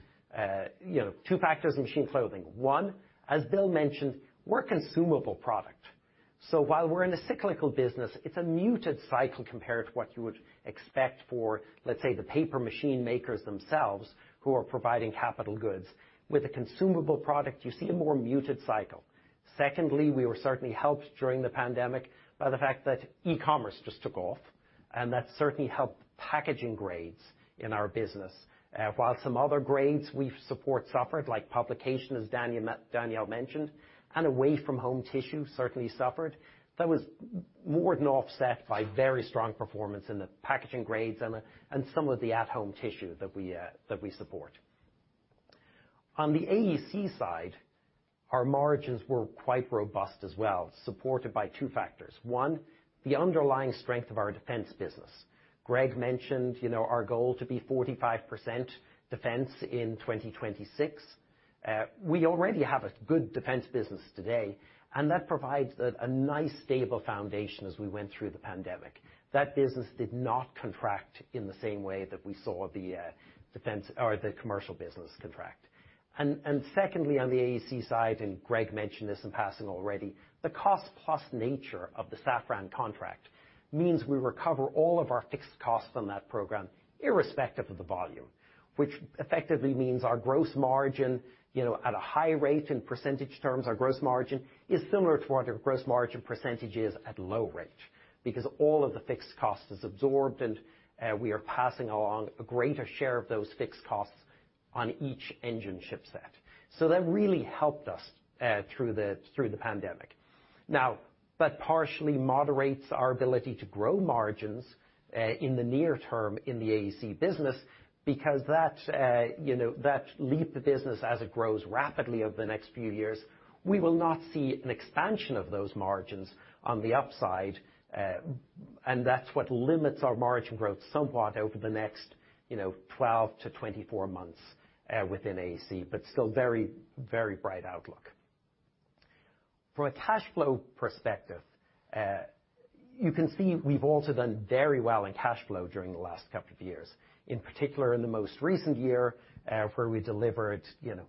two factors in Machine Clothing. One, as Bill mentioned, we're a consumable product. While we're in a cyclical business, it's a muted cycle compared to what you would expect for, let's say, the paper machine makers themselves who are providing capital goods. With a consumable product, you see a more muted cycle. Secondly, we were certainly helped during the pandemic by the fact that e-commerce just took off, and that certainly helped packaging grades in our business. While some other grades we support suffered, like publication, as Daniel mentioned, and away from home tissue certainly suffered, that was more than offset by very strong performance in the packaging grades and some of the at-home tissue that we support. On the AEC side, our margins were quite robust as well, supported by two factors. One, the underlying strength of our defense business. Greg mentioned, you know, our goal to be 45% defense in 2026. We already have a good defense business today, and that provides a nice stable foundation as we went through the pandemic. That business did not contract in the same way that we saw the defense or the commercial business contract. Secondly, on the AEC side, and Greg mentioned this in passing already, the cost-plus nature of the Safran contract means we recover all of our fixed costs on that program irrespective of the volume, which effectively means our gross margin, you know, at a high rate in percentage terms, our gross margin is similar to what our gross margin percentage is at low rate because all of the fixed cost is absorbed, and we are passing along a greater share of those fixed costs on each engine ship set. That really helped us through the pandemic but partially moderates our ability to grow margins in the near term in the AEC business because that's, you know, that LEAP, the business as it grows rapidly over the next few years. We will not see an expansion of those margins on the upside, and that's what limits our margin growth somewhat over the next, you know, 12-24 months within AEC, but still very, very bright outlook. From a cash flow perspective, you can see we've also done very well in cash flow during the last couple of years. In particular, in the most recent year, where we delivered, you know,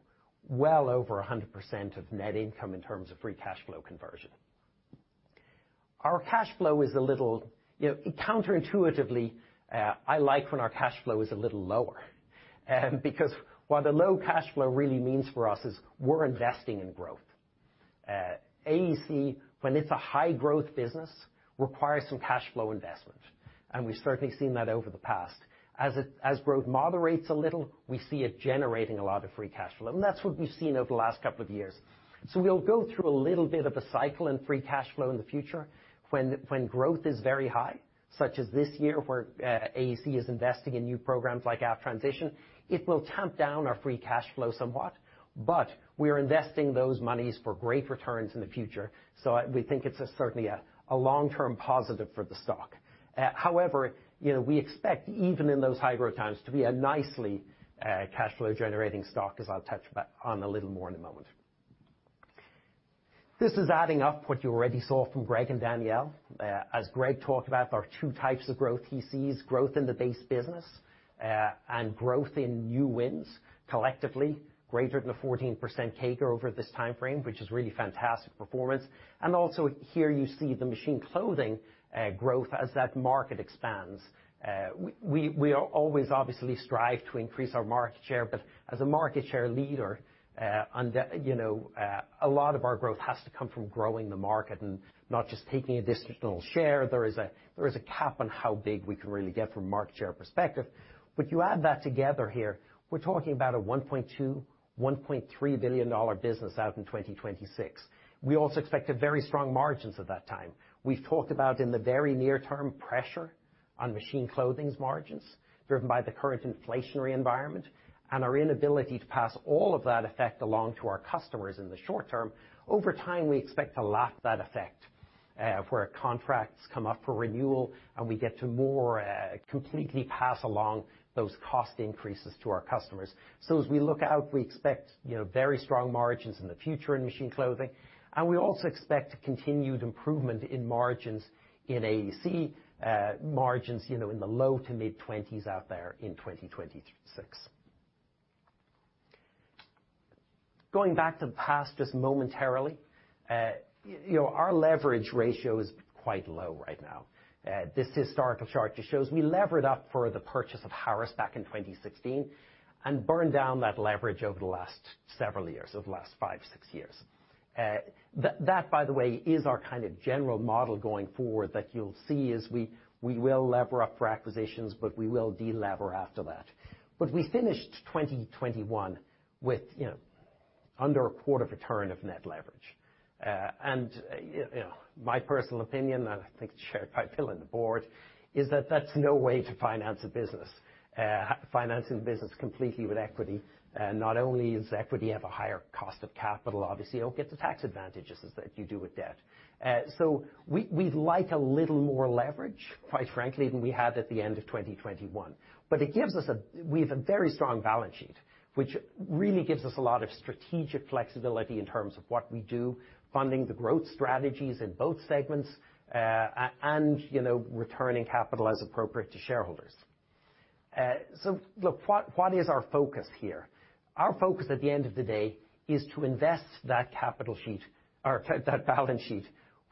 well over 100% of net income in terms of free cash flow conversion. Our cash flow is a little, you know, counterintuitively, I like when our cash flow is a little lower, because what the low cash flow really means for us is we're investing in growth. AEC, when it's a high-growth business, requires some cash flow investment, and we've certainly seen that over the past. As growth moderates a little, we see it generating a lot of free cash flow, and that's what we've seen over the last couple of years. We'll go through a little bit of a cycle in free cash flow in the future when growth is very high, such as this year where, AEC is investing in new programs like our transition. It will tamp down our free cash flow somewhat, but we are investing those monies for great returns in the future. We think it's certainly a long-term positive for the stock. However, you know, we expect even in those high growth times to be a nicely cash flow generating stock, as I'll touch back on a little more in a moment. This is adding up what you already saw from Greg and Daniel. As Greg talked about, there are two types of growth he sees, growth in the base business, and growth in new wins, collectively greater than 14% CAGR over this timeframe, which is really fantastic performance. Also here you see the Machine Clothing growth as that market expands. We are always obviously striving to increase our market share, but as a market share leader, you know, a lot of our growth has to come from growing the market and not just taking additional share. There is a cap on how big we can really get from a market share perspective. You add that together here, we're talking about a $1.2-$1.3 billion business out in 2026. We also expect very strong margins at that time. We've talked about in the very near term pressure on Machine Clothing's margins driven by the current inflationary environment and our inability to pass all of that effect along to our customers in the short term. Over time, we expect to lap that effect, where contracts come up for renewal and we get to more completely pass along those cost increases to our customers. As we look out, we expect, you know, very strong margins in the future in Machine Clothing. We also expect continued improvement in margins in AEC, you know, in the low to mid-20s out there in 2026. Going back to the past just momentarily, you know, our leverage ratio is quite low right now. This historical chart just shows we levered up for the purchase of Harris back in 2016 and burned down that leverage over the last several years, over the last five, six years. That, by the way, is our kind of general model going forward that you'll see is we will lever up for acquisitions, but we will de-lever after that. We finished 2021 with, you know, under a quarter turn of net leverage. You know, my personal opinion, I think shared by Phil and the board, is that that's no way to finance a business. Financing the business completely with equity, not only is equity have a higher cost of capital, obviously, you don't get the tax advantages as that you do with debt. We'd like a little more leverage, quite frankly, than we had at the end of 2021. We have a very strong balance sheet, which really gives us a lot of strategic flexibility in terms of what we do, funding the growth strategies in both segments, and, you know, returning capital as appropriate to shareholders. Look, what is our focus here? Our focus at the end of the day is to invest that balance sheet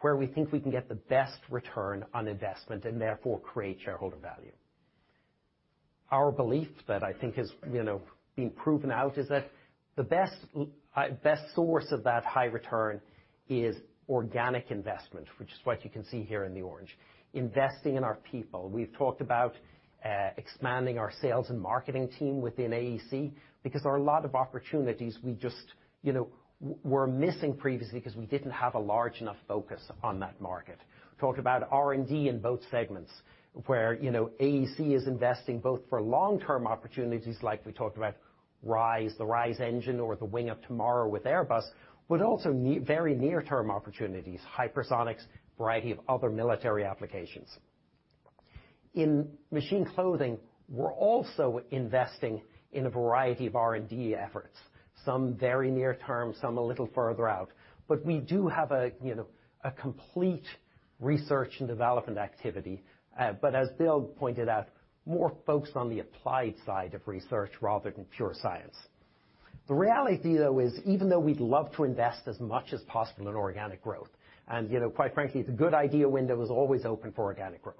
where we think we can get the best return on investment and therefore create shareholder value. Our belief that I think is, you know, being proven out is that the best source of that high return is organic investment, which is what you can see here in the orange. Investing in our people. We've talked about expanding our sales and marketing team within AEC because there are a lot of opportunities we just, you know, were missing previously because we didn't have a large enough focus on that market. Talked about R&D in both segments, where, you know, AEC is investing both for long-term opportunities like we talked about RISE, the RISE engine or the Wing of Tomorrow with Airbus, but also very near-term opportunities, hypersonics, variety of other military applications. In Machine Clothing, we're also investing in a variety of R&D efforts, some very near term, some a little further out. We do have a, you know, a complete research and development activity, but as Bill pointed out, more focused on the applied side of research rather than pure science. The reality though is even though we'd love to invest as much as possible in organic growth, and, you know, quite frankly, the good idea window is always open for organic growth.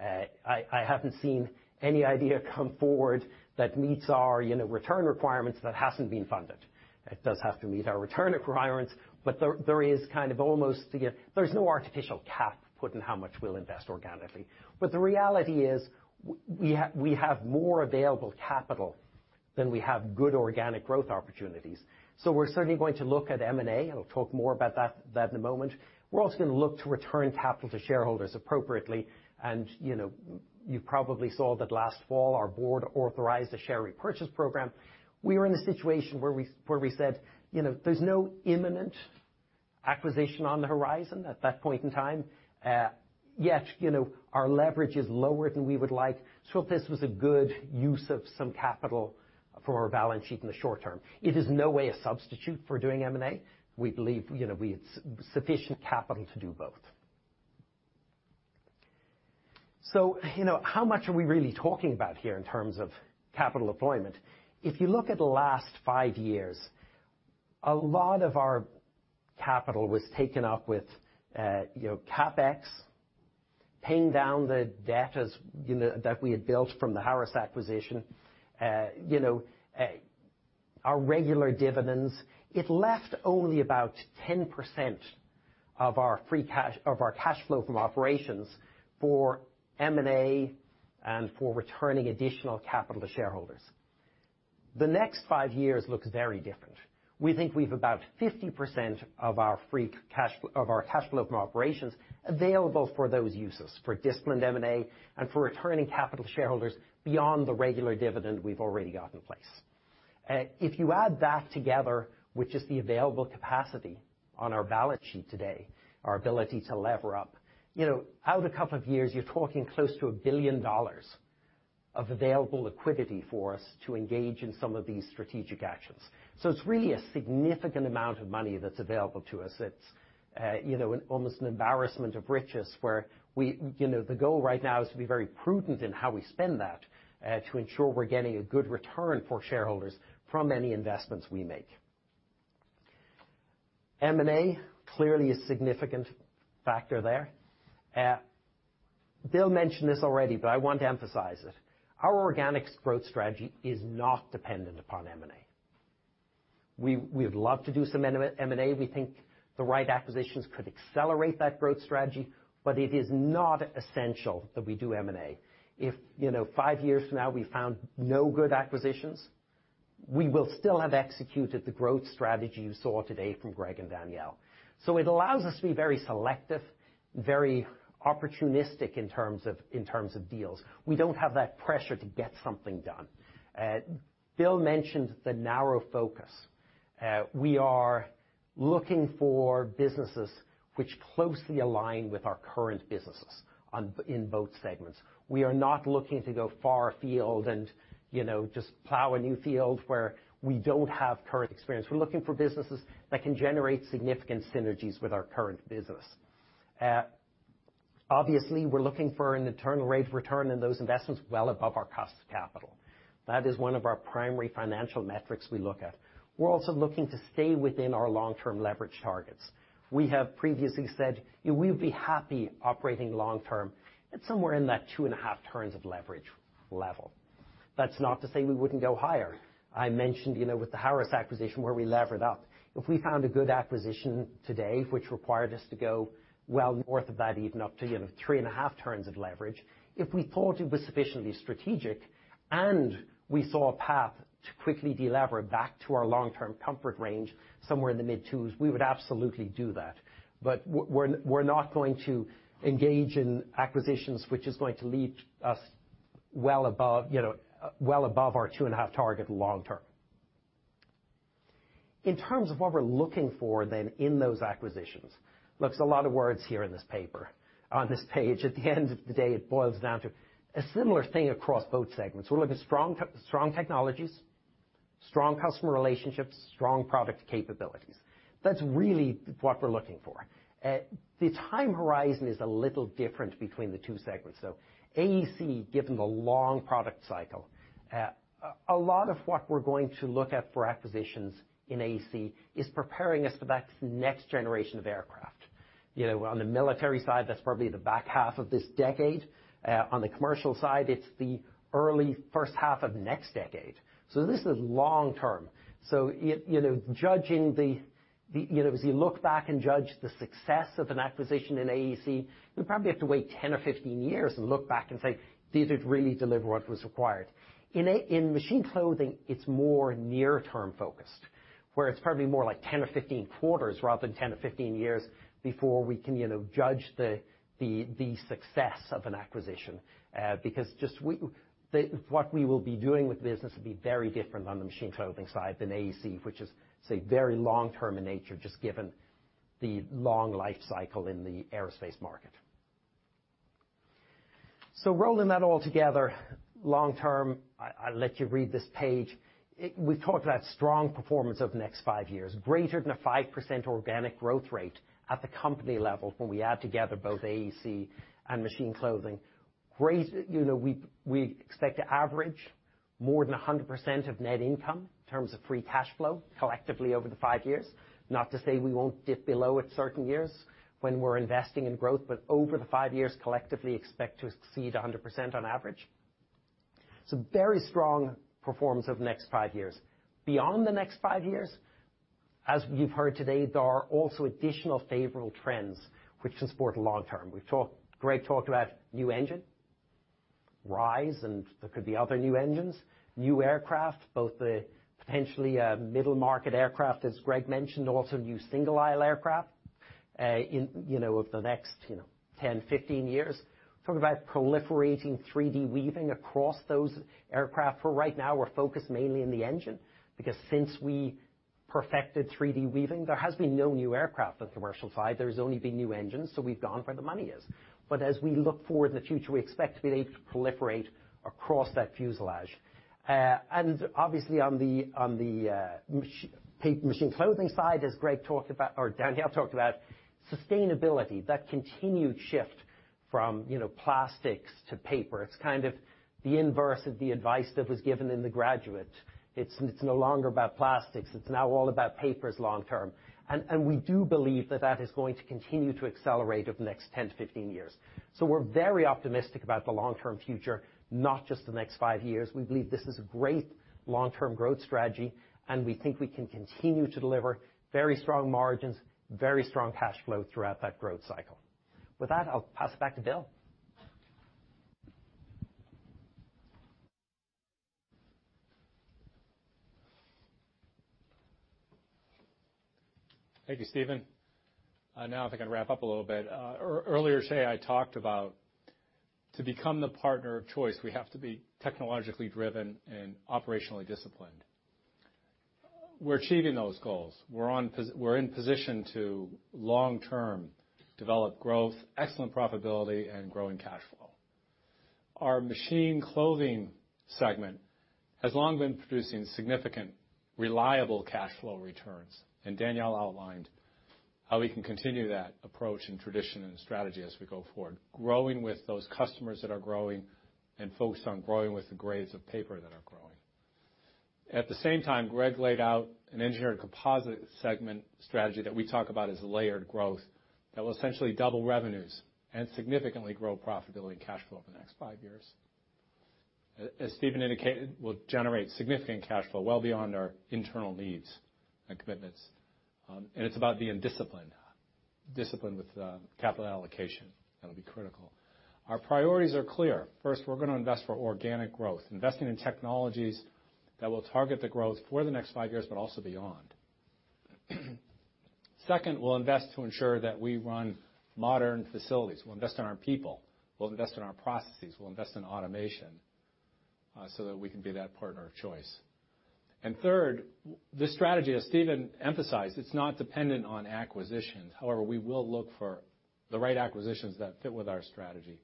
I haven't seen any idea come forward that meets our, you know, return requirements that hasn't been funded. It does have to meet our return requirements, but there is kind of almost, you know, there's no artificial cap put in how much we'll invest organically. The reality is we have more available capital than we have good organic growth opportunities. We're certainly going to look at M&A. I'll talk more about that in a moment. We're also gonna look to return capital to shareholders appropriately. You probably saw that last fall, our board authorized a share repurchase program. We are in a situation where we said, you know, there's no imminent acquisition on the horizon at that point in time. Yet, you know, our leverage is lower than we would like. This was a good use of some capital for our balance sheet in the short term. It is no way a substitute for doing M&A. We believe, you know, we have sufficient capital to do both. You know, how much are we really talking about here in terms of capital deployment? If you look at the last five years, a lot of our capital was taken up with, you know, CapEx, paying down the debt, you know, that we had built from the Harris acquisition. You know, our regular dividends, it left only about 10% of our cash flow from operations for M&A and for returning additional capital to shareholders. The next five years looks very different. We think we've about 50% of our cash flow from operations available for those uses, for disciplined M&A and for returning capital to shareholders beyond the regular dividend we've already got in place. If you add that together with just the available capacity on our balance sheet today, our ability to lever up, you know, out a couple of years, you're talking close to $1 billion of available liquidity for us to engage in some of these strategic actions. It's really a significant amount of money that's available to us. It's you know, almost an embarrassment of riches. You know, the goal right now is to be very prudent in how we spend that, to ensure we're getting a good return for shareholders from any investments we make. M&A, clearly a significant factor there. Bill mentioned this already, but I want to emphasize it. Our organic growth strategy is not dependent upon M&A. We'd love to do some M&A. We think the right acquisitions could accelerate that growth strategy, but it is not essential that we do M&A. If you know, five years from now, we found no good acquisitions, we will still have executed the growth strategy you saw today from Greg and Daniel. It allows us to be very selective, very opportunistic in terms of deals. We don't have that pressure to get something done. Bill mentioned the narrow focus. We are looking for businesses which closely align with our current businesses in both segments. We are not looking to go far afield and, you know, just plow a new field where we don't have current experience. We're looking for businesses that can generate significant synergies with our current business. Obviously, we're looking for an internal rate of return on those investments well above our cost of capital. That is one of our primary financial metrics we look at. We're also looking to stay within our long-term leverage targets. We have previously said we'll be happy operating long term at somewhere in that 2.5 turns of leverage level. That's not to say we wouldn't go higher. I mentioned, you know, with the Harris acquisition where we levered up. If we found a good acquisition today which required us to go well north of that, even up to, you know, 3.5 turns of leverage, if we thought it was sufficiently strategic and we saw a path to quickly delever back to our long-term comfort range somewhere in the mid-2s, we would absolutely do that. We're not going to engage in acquisitions, which is going to leave us well above, you know, well above our 2.5 target long term. In terms of what we're looking for then in those acquisitions. Look, it's a lot of words here in this paper, on this page. At the end of the day, it boils down to a similar thing across both segments. We're looking at strong tech, strong technologies, strong customer relationships, strong product capabilities. That's really what we're looking for. The time horizon is a little different between the two segments. AEC, given the long product cycle, a lot of what we're going to look at for acquisitions in AEC is preparing us for that next generation of aircraft. You know, on the military side, that's probably the back half of this decade. On the commercial side, it's the early first half of next decade. This is long term. You know, as you look back and judge the success of an acquisition in AEC, you'll probably have to wait 10 or 15 years and look back and say, "Did it really deliver what was required?" In Machine Clothing, it's more near-term focused, where it's probably more like 10 or 15 quarters rather than 10 or 15 years before we can, you know, judge the success of an acquisition. Because what we will be doing with the business will be very different on the Machine Clothing side than AEC, which is, say, very long-term in nature, just given the long life cycle in the aerospace market. Rolling that all together long-term, I'll let you read this page. We talk about strong performance over the next five years, greater than 5% organic growth rate at the company level when we add together both AEC and Machine Clothing. You know, we expect to average more than 100% of net income in terms of free cash flow collectively over the five years. Not to say we won't dip below at certain years when we're investing in growth, but over the five years, collectively expect to exceed 100% on average. Very strong performance over the next five years. Beyond the next five years. As you've heard today, there are also additional favorable trends which can support long term. Greg talked about new engine, RISE, and there could be other new engines. New aircraft, both the potentially middle market aircraft, as Greg mentioned, also new single-aisle aircraft, in you know over the next 10, 15 years. Talk about proliferating 3D weaving across those aircraft. For right now, we're focused mainly in the engine because since we perfected 3D weaving, there has been no new aircraft on commercial side. There's only been new engines, so we've gone where the money is. As we look forward in the future, we expect to be able to proliferate across that fuselage. And obviously on the Machine Clothing side, as Greg talked about, or Daniel talked about, sustainability. That continued shift from you know plastics to paper. It's kind of the inverse of the advice that was given in The Graduate. It's no longer about plastics, it's now all about paper long term. We do believe that is going to continue to accelerate over the next 10-15 years. We're very optimistic about the long-term future, not just the next five years. We believe this is a great long-term growth strategy, and we think we can continue to deliver very strong margins, very strong cash flow throughout that growth cycle. With that, I'll pass it back to Bill. Thank you, Stephen. Now if I can wrap up a little bit. Earlier today I talked about to become the partner of choice, we have to be technologically driven and operationally disciplined. We're achieving those goals. We're in position to long term develop growth, excellent profitability, and growing cash flow. Our Machine Clothing segment has long been producing significant, reliable cash flow returns, and Daniel outlined how we can continue that approach, and tradition, and strategy as we go forward, growing with those customers that are growing and focused on growing with the grades of paper that are growing. At the same time, Greg laid out an Engineered Composites segment strategy that we talk about as layered growth that will essentially double revenues and significantly grow profitability and cash flow over the next five years. As Stephen indicated, we'll generate significant cash flow well beyond our internal needs and commitments. It's about being disciplined. Disciplined with capital allocation. That'll be critical. Our priorities are clear. First, we're gonna invest for organic growth, investing in technologies that will target the growth for the next five years, but also beyond. Second, we'll invest to ensure that we run modern facilities. We'll invest in our people. We'll invest in our processes. We'll invest in automation, so that we can be that partner of choice. Third, this strategy, as Stephen emphasized, it's not dependent on acquisitions. However, we will look for the right acquisitions that fit with our strategy,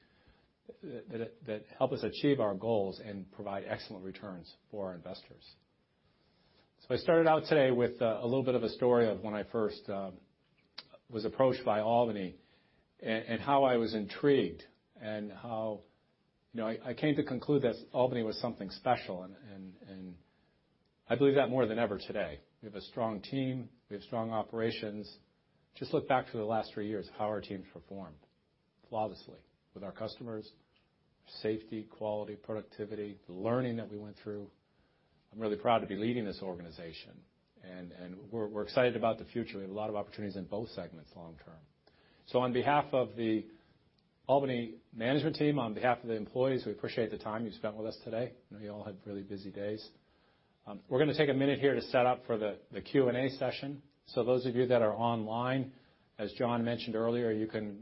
that help us achieve our goals and provide excellent returns for our investors. I started out today with a little bit of a story of when I first was approached by Albany and how I was intrigued and how, you know, I came to conclude that Albany was something special. I believe that more than ever today. We have a strong team. We have strong operations. Just look back through the last three years how our team's performed. Flawlessly with our customers. Safety, quality, productivity, the learning that we went through. I'm really proud to be leading this organization, and we're excited about the future. We have a lot of opportunities in both segments long term. On behalf of the Albany management team, on behalf of the employees, we appreciate the time you've spent with us today. I know you all have really busy days. We're gonna take a minute here to set up for the Q&A session. Those of you that are online, as John mentioned earlier, you can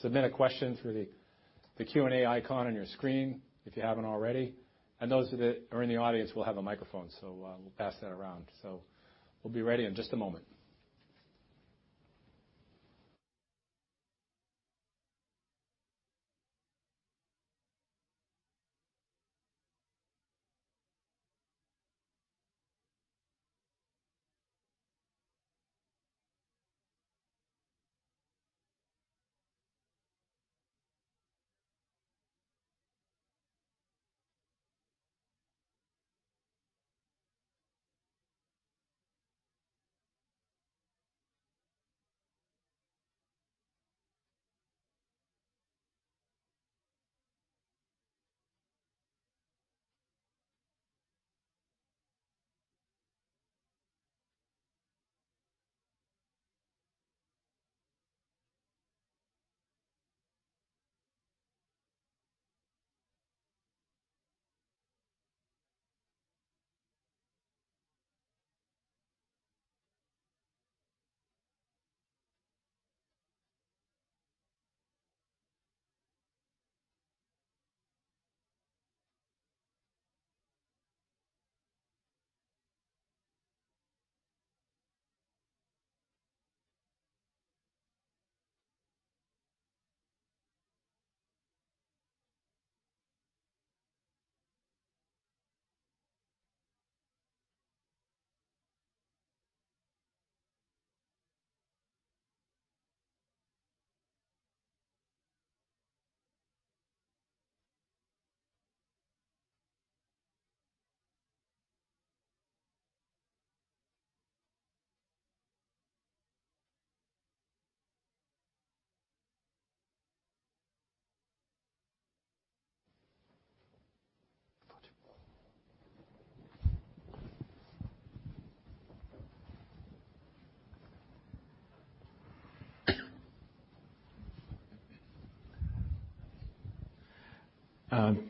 submit a question through the Q&A icon on your screen if you haven't already. Those that are in the audience, we'll have a microphone. We'll pass that around. We'll be ready in just a moment.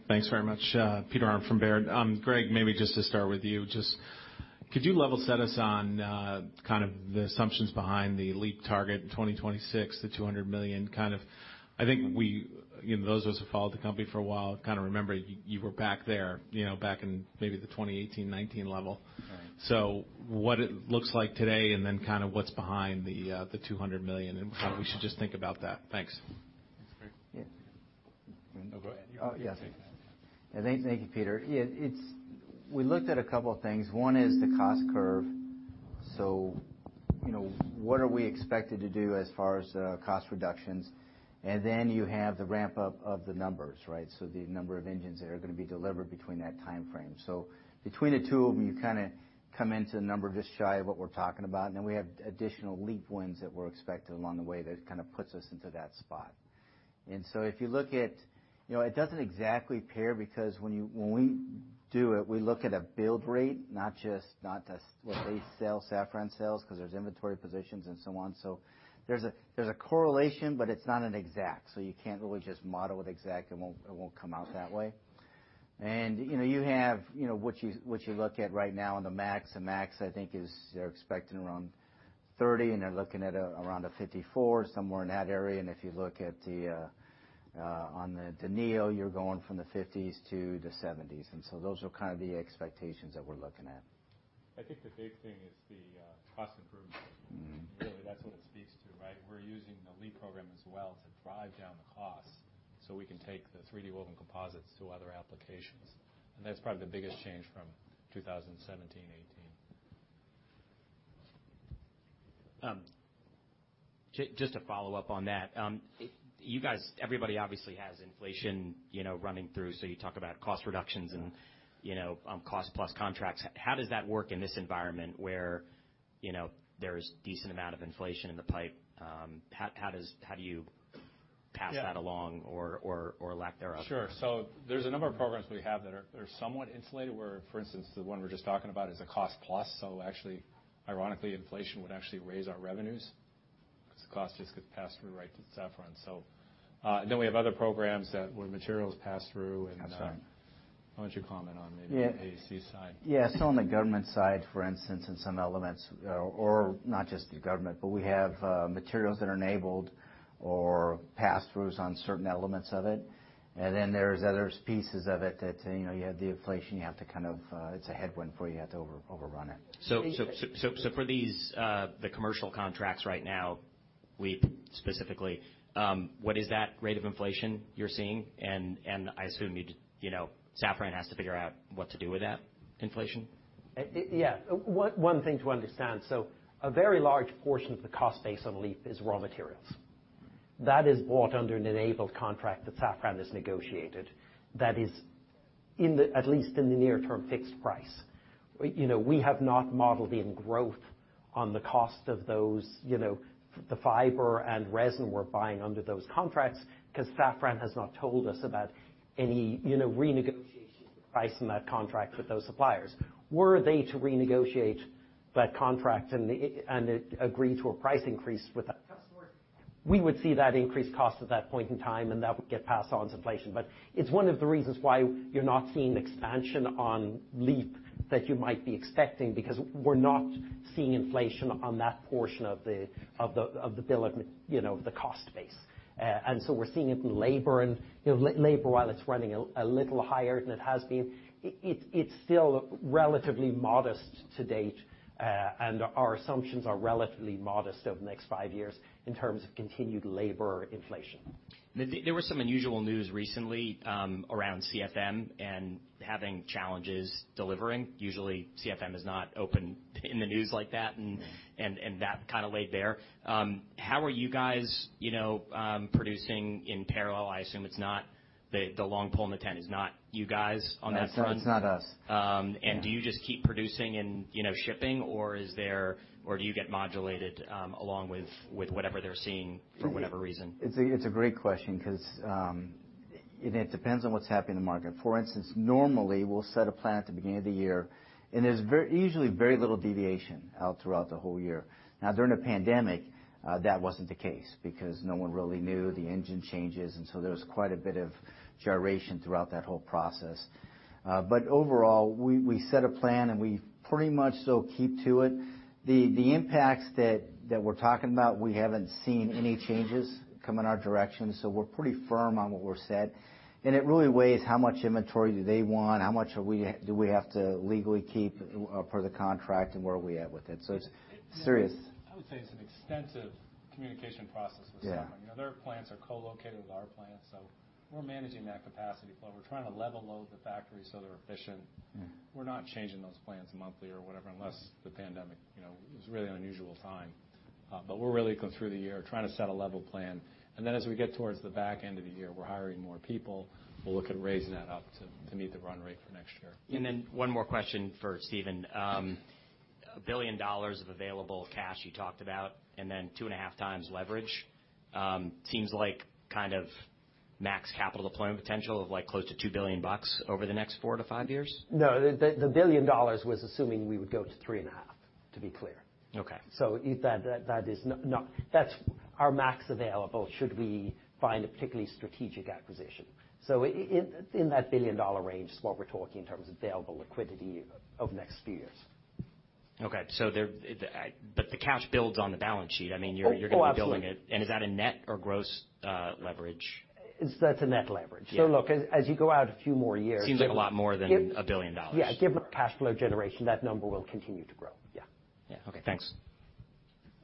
Thanks very much, Peter Arment from Baird. Greg, maybe just to start with you, just could you level set us on kind of the assumptions behind the LEAP target in 2026, the $200 million kind of? I think we, you know, those of us who followed the company for a while kind of remember you were back there, you know, back in maybe the 2018, 2019 level. Right. What it looks like today, and then kind of what's behind the $200 million, and how we should just think about that. Thanks. Thanks, Greg. Yeah. No, go ahead. Oh, yes. Thank you, Peter. Yeah, it's we looked at a couple of things. One is the cost curve. You know, what are we expected to do as far as cost reductions? You have the ramp-up of the numbers, right? The number of engines that are gonna be delivered between that timeframe. Between the two of them, you kind of come into the number just shy of what we're talking about. We have additional LEAP wins that we're expecting along the way that kind of puts us into that spot. If you look at, you know, it doesn't exactly pair because when we do it, we look at a build rate, not just what AEC sells, Safran sells, because there's inventory positions and so on. There's a correlation, but it's not exact. You can't really just model it exact. It won't come out that way. You know, you have what you look at right now in the MAX. The MAX, I think, is they're expecting around 30, and they're looking at around 54, somewhere in that area. If you look at the Neo, you're going from the 50s to the 70s. Those are kind of the expectations that we're looking at. I think the big thing is the cost improvements. Mm-hmm. Really, that's what it speaks to, right? We're using the LEAP program as well to drive down the costs so we can take the 3D woven composites to other applications. That's probably the biggest change from 2017, 2018. Just to follow up on that, you guys, everybody obviously has inflation, you know, running through. You talk about cost reductions and, you know, cost plus contracts. How does that work in this environment where, you know, there's decent amount of inflation in the pipe? How do you pass that along or lack thereof? Sure. There's a number of programs we have that are somewhat insulated, where, for instance, the one we're just talking about is a cost plus. Actually, ironically, inflation would actually raise our revenues because the cost just gets passed through right to Safran. We have other programs where materials pass through and I'm sorry. Why don't you comment on maybe the AEC side? Yeah. On the government side, for instance, in some elements, or not just the government, but we have materials that are enabled or pass-throughs on certain elements of it. Then there's other pieces of it that, you know, you have the inflation, you have to kind of, it's a headwind for you have to overrun it. For these, the commercial contracts right now, LEAP specifically, what is that rate of inflation you're seeing? I assume you'd, you know, Safran has to figure out what to do with that inflation. Yeah. One thing to understand, a very large portion of the cost base of LEAP is raw materials. That is bought under an enabled contract that Safran has negotiated that is, at least in the near term, fixed price. You know, we have not modeled in growth on the cost of those, you know, the fiber and resin we're buying under those contracts because Safran has not told us about any, you know, renegotiation of the price in that contract with those suppliers. Were they to renegotiate that contract and agree to a price increase with that- Customers. We would see that increased cost at that point in time, and that would get passed on to inflation. It's one of the reasons why you're not seeing expansion on LEAP that you might be expecting, because we're not seeing inflation on that portion of the bill, you know, the cost base. We're seeing it in labor. You know, labor, while it's running a little higher than it has been, it's still relatively modest to date. Our assumptions are relatively modest over the next five years in terms of continued labor inflation. There was some unusual news recently around CFM and having challenges delivering. Usually, CFM is not open in the news like that, and that kind of laid bare. How are you guys, you know, producing in parallel? I assume it's not the long pole in the tent is not you guys on that front. It's not us. Do you just keep producing and, you know, shipping, or do you get modulated along with whatever they're seeing for whatever reason? It's a great question because it depends on what's happening in the market. For instance, normally, we'll set a plan at the beginning of the year, and there's usually very little deviation out throughout the whole year. Now, during the pandemic, that wasn't the case because no one really knew the engine changes, and so there was quite a bit of gyration throughout that whole process. Overall, we set a plan, and we pretty much still keep to it. The impacts that we're talking about, we haven't seen any changes come in our direction, so we're pretty firm on what we're set. It really weighs how much inventory do they want, how much do we have to legally keep per the contract and where are we at with it. It's serious. I would say it's an extensive communication process with Safran. Yeah. You know, their plants are co-located with our plants, so we're managing that capacity flow. We're trying to level load the factories so they're efficient. Mm-hmm. We're not changing those plans monthly or whatever, unless the pandemic, you know, it was really an unusual time. We're really going through the year trying to set a level plan. Then as we get towards the back end of the year, we're hiring more people. We'll look at raising that up to meet the run rate for next year. One more question for Stephen. $1 billion of available cash you talked about, and then 2.5x leverage, seems like kind of max capital deployment potential of like close to $2 billion over the next four-five years. No, the $1 billion was assuming we would go to 3.5, to be clear. Okay. That's our max available should we find a particularly strategic acquisition. In that billion-dollar range is what we're talking in terms of available liquidity over the next few years. Okay. The cash builds on the balance sheet. I mean, you're Oh, absolutely. You're gonna be building it. Is that a net or gross leverage? That's a net leverage. Yeah. Look, as you go out a few more years. Seems like a lot more than $1 billion. Yeah, given cash flow generation, that number will continue to grow. Yeah. Yeah. Okay, thanks.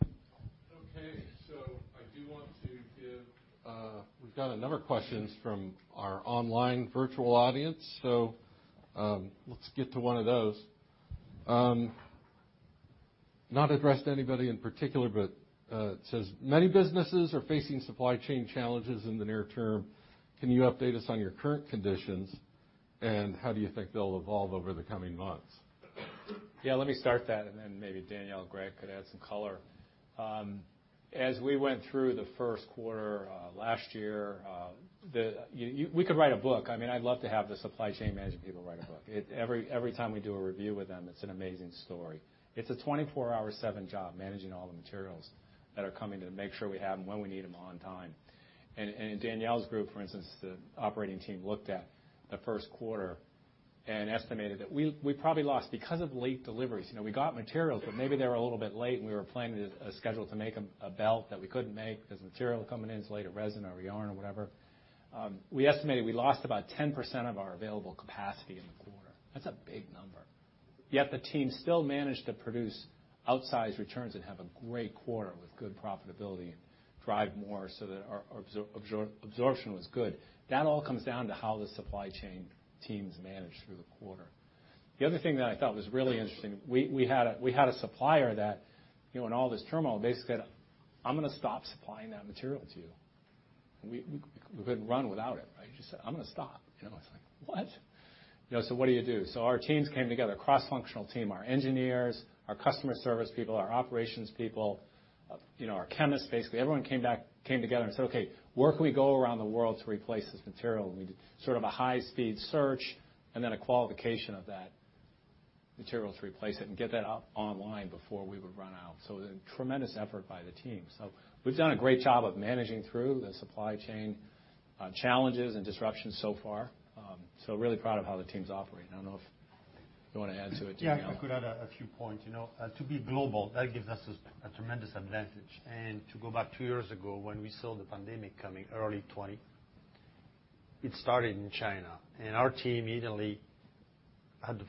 Okay, I do want to give. We've got a number of questions from our online virtual audience, so, let's get to one of those. Not addressed to anybody in particular, but, it says, "Many businesses are facing supply chain challenges in the near term. Can you update us on your current conditions, and how do you think they'll evolve over the coming months? Yeah, let me start that, and then maybe Daniel or Greg could add some color. As we went through the first quarter last year, we could write a book. I mean, I'd love to have the supply chain management people write a book. Every time we do a review with them, it's an amazing story. It's a 24/7 job managing all the materials that are coming in to make sure we have them when we need them on time. Daniel's group, for instance, the operating team looked at the first quarter and estimated that we probably lost because of late deliveries. You know, we got materials, but maybe they were a little bit late, and we were planning a schedule to make a belt that we couldn't make because the material coming in was late, a resin or a yarn or whatever. We estimated we lost about 10% of our available capacity in the quarter. That's a big number. Yet the team still managed to produce outsized returns and have a great quarter with good profitability and drive more so that our absorption was good. That all comes down to how the supply chain teams manage through the quarter. The other thing that I thought was really interesting, we had a supplier that, you know, in all this turmoil basically said, "I'm gonna stop supplying that material to you." We couldn't run without it, right? He just said, "I'm gonna stop." You know, it's like, "What?" You know, what do you do? Our teams came together, cross-functional team, our engineers, our customer service people, our operations people, you know, our chemists, basically everyone came together and said, "Okay, where can we go around the world to replace this material?" We did sort of a high-speed search and then a qualification of that material to replace it and get that up online before we would run out. It was a tremendous effort by the team. We've done a great job of managing through the supply chain challenges and disruptions so far. Really proud of how the team's operating. I don't know if you wanna add to it, Daniel. Yeah, I could add a few points. You know, to be global, that gives us a tremendous advantage. To go back two years ago, when we saw the pandemic coming early 2020, it started in China. Our team immediately had to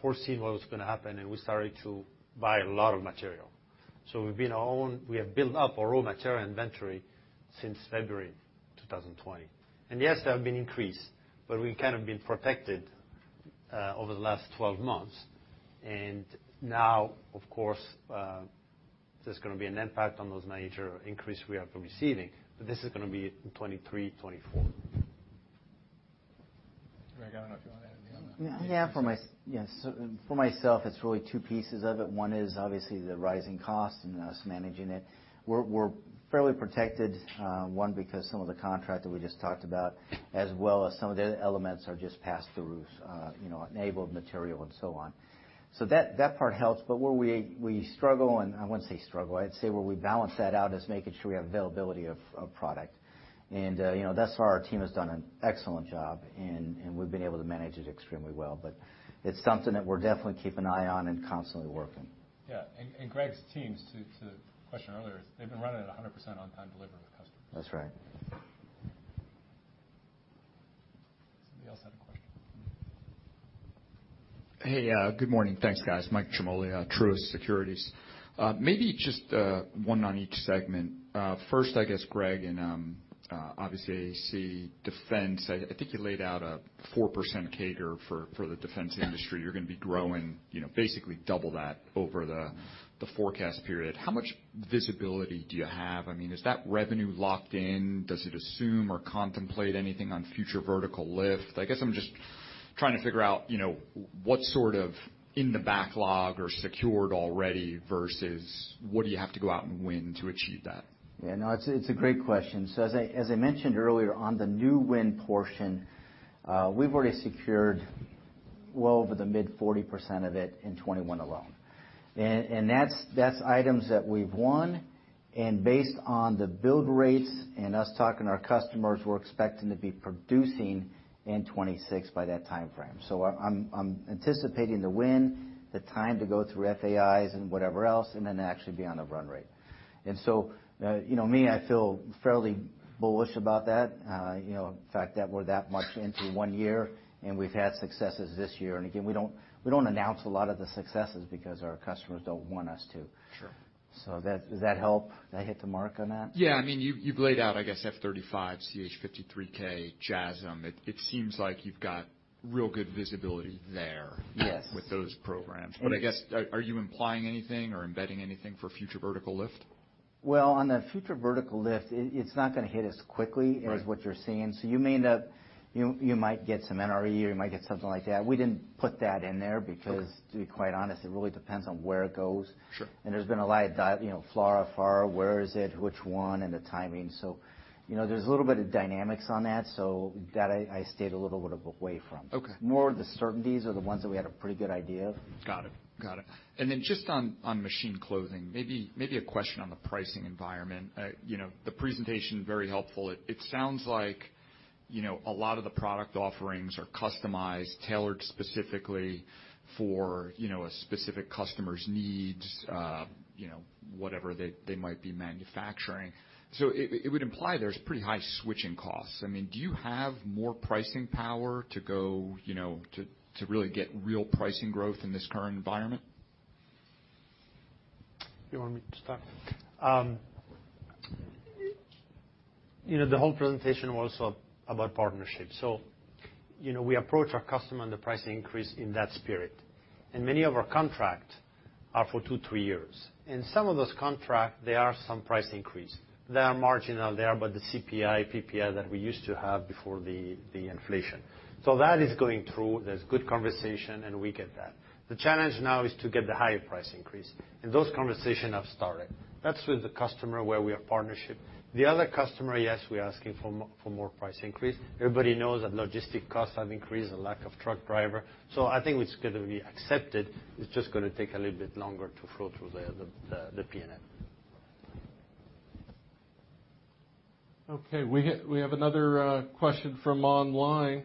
foresee what was gonna happen, and we started to buy a lot of material. We've been our own. We have built up our own material inventory since February 2020. Yes, there have been increases, but we've kind of been protected over the last 12 months. Now, of course, there's gonna be an impact on those major increases we have been receiving, but this is gonna be in 2023, 2024. Greg, I don't know if you want to add anything on that. Yes. For myself, it's really two pieces of it. One is obviously the rising cost and us managing it. We're fairly protected, because some of the contracts that we just talked about, as well as some of the elements are just pass-throughs, you know, raw material and so on. That part helps, but where we struggle, and I wouldn't say struggle, I'd say where we balance that out is making sure we have availability of product. Thus far our team has done an excellent job and we've been able to manage it extremely well. It's something that we'll definitely keep an eye on and constantly working. Yeah. Greg's teams, to the question earlier, they've been running at 100% on time delivery with customers. That's right. Somebody else had a question. Hey, good morning. Thanks, guys. Michael Ciarmoli, Truist Securities. Maybe just one on each segment. First, I guess, Greg, and obviously AEC Defense, I think you laid out a 4% CAGR for the defense industry. You're gonna be growing, you know, basically double that over the forecast period. How much visibility do you have? I mean, is that revenue locked in? Does it assume or contemplate anything on future vertical lift? I guess I'm just trying to figure out, you know, what's sort of in the backlog or secured already versus what do you have to go out and win to achieve that? Yeah, no, it's a great question. As I mentioned earlier, on the new win portion, we've already secured well over the mid-40% of it in 2021 alone. That's items that we've won. Based on the build rates and us talking to our customers, we're expecting to be producing in 2026 by that timeframe. I'm anticipating the win, the time to go through FAIs and whatever else, and then actually be on a run rate. You know me, I feel fairly bullish about that, you know, the fact that we're that much into one year, and we've had successes this year. Again, we don't announce a lot of the successes because our customers don't want us to. Sure. Does that help? Did I hit the mark on that? Yeah. I mean, you've laid out, I guess, F-35, CH-53K, JASSM. It seems like you've got real good visibility there. Yes. With those programs. I guess, are you implying anything or embedding anything for future vertical lift? Well, on the future vertical lift, it's not gonna hit as quickly. Right. As what you're seeing. You may end up, you might get some NRE, you might get something like that. We didn't put that in there because- Sure To be quite honest, it really depends on where it goes. Sure. There's been a lot of you know, FLRAA, FARA, where is it? Which one? And the timing. You know, there's a little bit of dynamics on that, so that I stayed a little bit away from. Okay. More the certainties are the ones that we had a pretty good idea of. Got it. Then just on Machine Clothing, maybe a question on the pricing environment. You know, the presentation, very helpful. It sounds like, you know, a lot of the product offerings are customized, tailored specifically for, you know, a specific customer's needs, you know, whatever they might be manufacturing. So it would imply there's pretty high switching costs. I mean, do you have more pricing power to go, you know, to really get real pricing growth in this current environment? You want me to start? You know, the whole presentation was about partnerships. You know, we approach our customer and the price increase in that spirit. Many of our contract are for two, three years. In some of those contract, there are some price increase. They are marginal. They are about the CPI, PPI that we used to have before the inflation. That is going through. There's good conversation, and we get that. The challenge now is to get the higher price increase, and those conversation have started. That's with the customer where we have partnership. The other customer, yes, we're asking for more price increase. Everybody knows that logistics costs have increased, the lack of truck drivers. I think it's gonna be accepted. It's just gonna take a little bit longer to flow through the P&L. Okay. We have another question from online.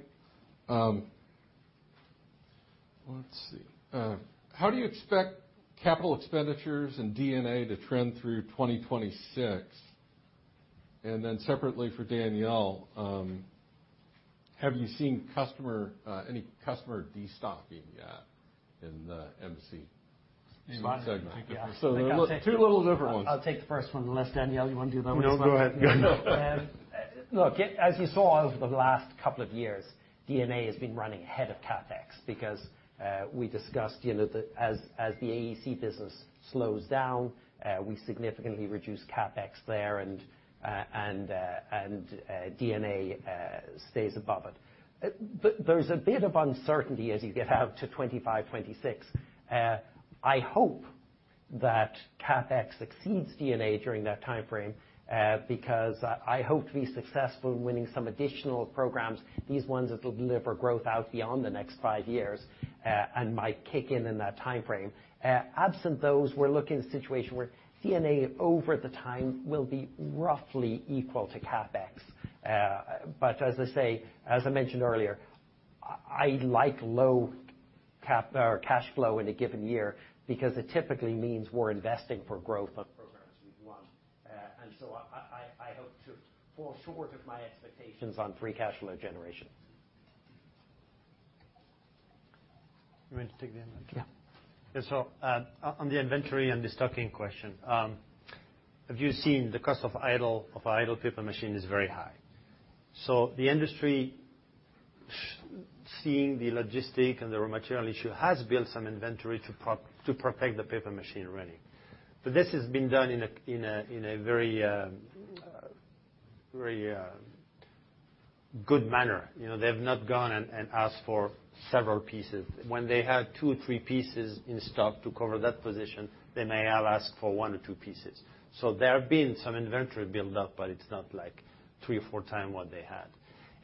Let's see. How do you expect capital expenditures and D&A to trend through 2026? And then separately for Daniel, have you seen any customer destocking in the AEC segment? Me? Two little different ones. I'll take the first one unless Daniel, you wanna do the other as well? No, go ahead. Look, as you saw over the last couple of years, D&A has been running ahead of CapEx because we discussed as the AEC business slows down, we significantly reduce CapEx there and D&A stays above it. There's a bit of uncertainty as you get out to 2025, 2026. I hope that CapEx exceeds D&A during that timeframe, because I hope to be successful in winning some additional programs, these ones that will deliver growth out beyond the next five years, and might kick in in that timeframe. Absent those, we're looking at a situation where D&A over the time will be roughly equal to CapEx. As I mentioned earlier, I like low CapEx or cash flow in a given year because it typically means we're investing for growth on programs we want. I hope to fall short of my expectations on free cash flow generation. You want me to take the other? Yeah. On the inventory and destocking question, have you seen the cost of idle paper machine is very high. The industry seeing the logistic and the raw material issue has built some inventory to protect the paper machine running. This has been done in a very good manner. You know, they have not gone and asked for several pieces. When they have two or three pieces in stock to cover that position, they may have asked for one or two pieces. There have been some inventory build up, but it's not like three or four times what they had.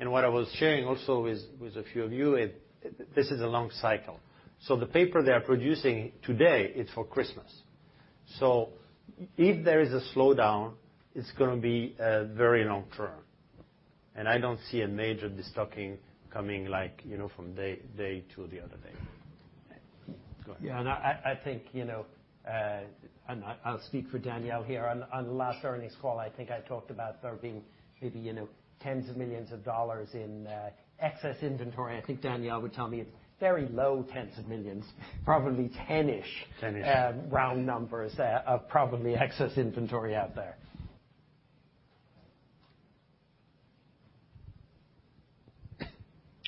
What I was sharing also with a few of you, this is a long cycle. The paper they are producing today is for Christmas. If there is a slowdown, it's gonna be very long term. I don't see a major destocking coming like, you know, from day to the other day. Yeah. I think, you know, and I'll speak for Daniel here. On the last earnings call, I think I talked about there being maybe, you know, $10s of millions in excess inventory. I think Daniel would tell me it's very low $10s of millions, probably $10-ish. Ten-ish Round numbers of probably excess inventory out there.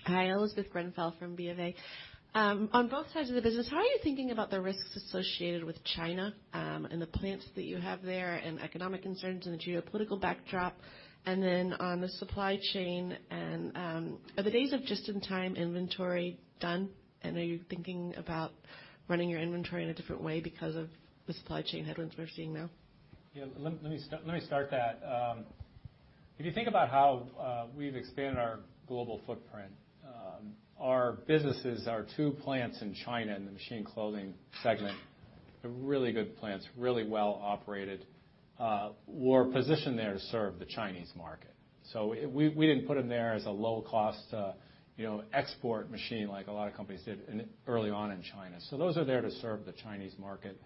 Hi, Elizabeth Grenfell from BofA. On both sides of the business, how are you thinking about the risks associated with China, and the plants that you have there and economic concerns and the geopolitical backdrop? On the supply chain and are the days of just-in-time inventory done, and are you thinking about running your inventory in a different way because of the supply chain headwinds we're seeing now? Yeah. Let me start that. If you think about how we've expanded our global footprint, our businesses, our two plants in China in the Machine Clothing segment, they're really good plants, really well operated, we're positioned there to serve the Chinese market. We didn't put them there as a low-cost, you know, export machine like a lot of companies did in early on in China. Those are there to serve the Chinese market.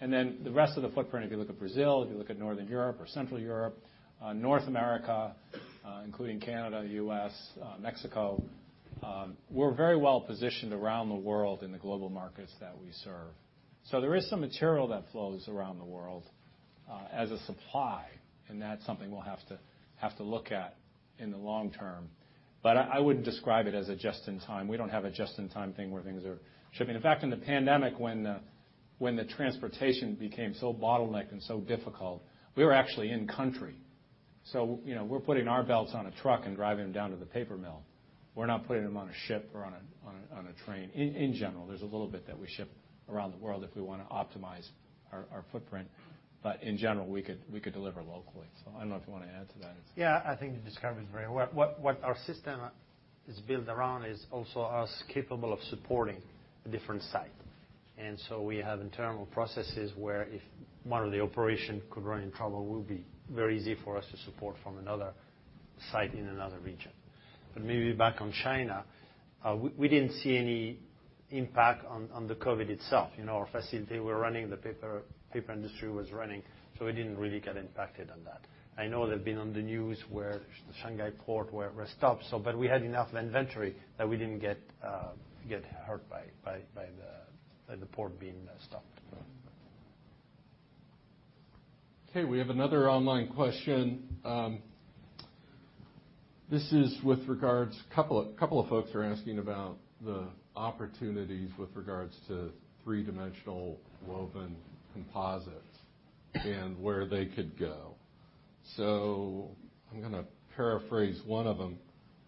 Then the rest of the footprint, if you look at Brazil, if you look at Northern Europe or Central Europe, North America, including Canada, U.S., Mexico, we're very well positioned around the world in the global markets that we serve. There is some material that flows around the world as a supply, and that's something we'll have to look at in the long term. I would describe it as a just-in-time. We don't have a just-in-time thing where things are shipping. In fact, in the pandemic, when the transportation became so bottlenecked and so difficult, we were actually in country. You know, we're putting our belts on a truck and driving them down to the paper mill. We're not putting them on a ship or on a train, in general. There's a little bit that we ship around the world if we wanna optimize our footprint. In general, we could deliver locally. I don't know if you wanna add to that. Yeah, I think you described it very well. What our system is built around is also us capable of supporting a different site. We have internal processes where if one of the operation could run in trouble, it will be very easy for us to support from another site in another region. Maybe back on China, we didn't see any impact on the COVID itself. You know, our facility were running, the paper industry was running, so we didn't really get impacted on that. I know that been on the news where the Shanghai port where were stopped, but we had enough inventory that we didn't get hurt by the port being stopped. Okay, we have another online question. This is with regards. Couple of folks are asking about the opportunities with regards to three-dimensional woven composites and where they could go. I'm gonna paraphrase one of them.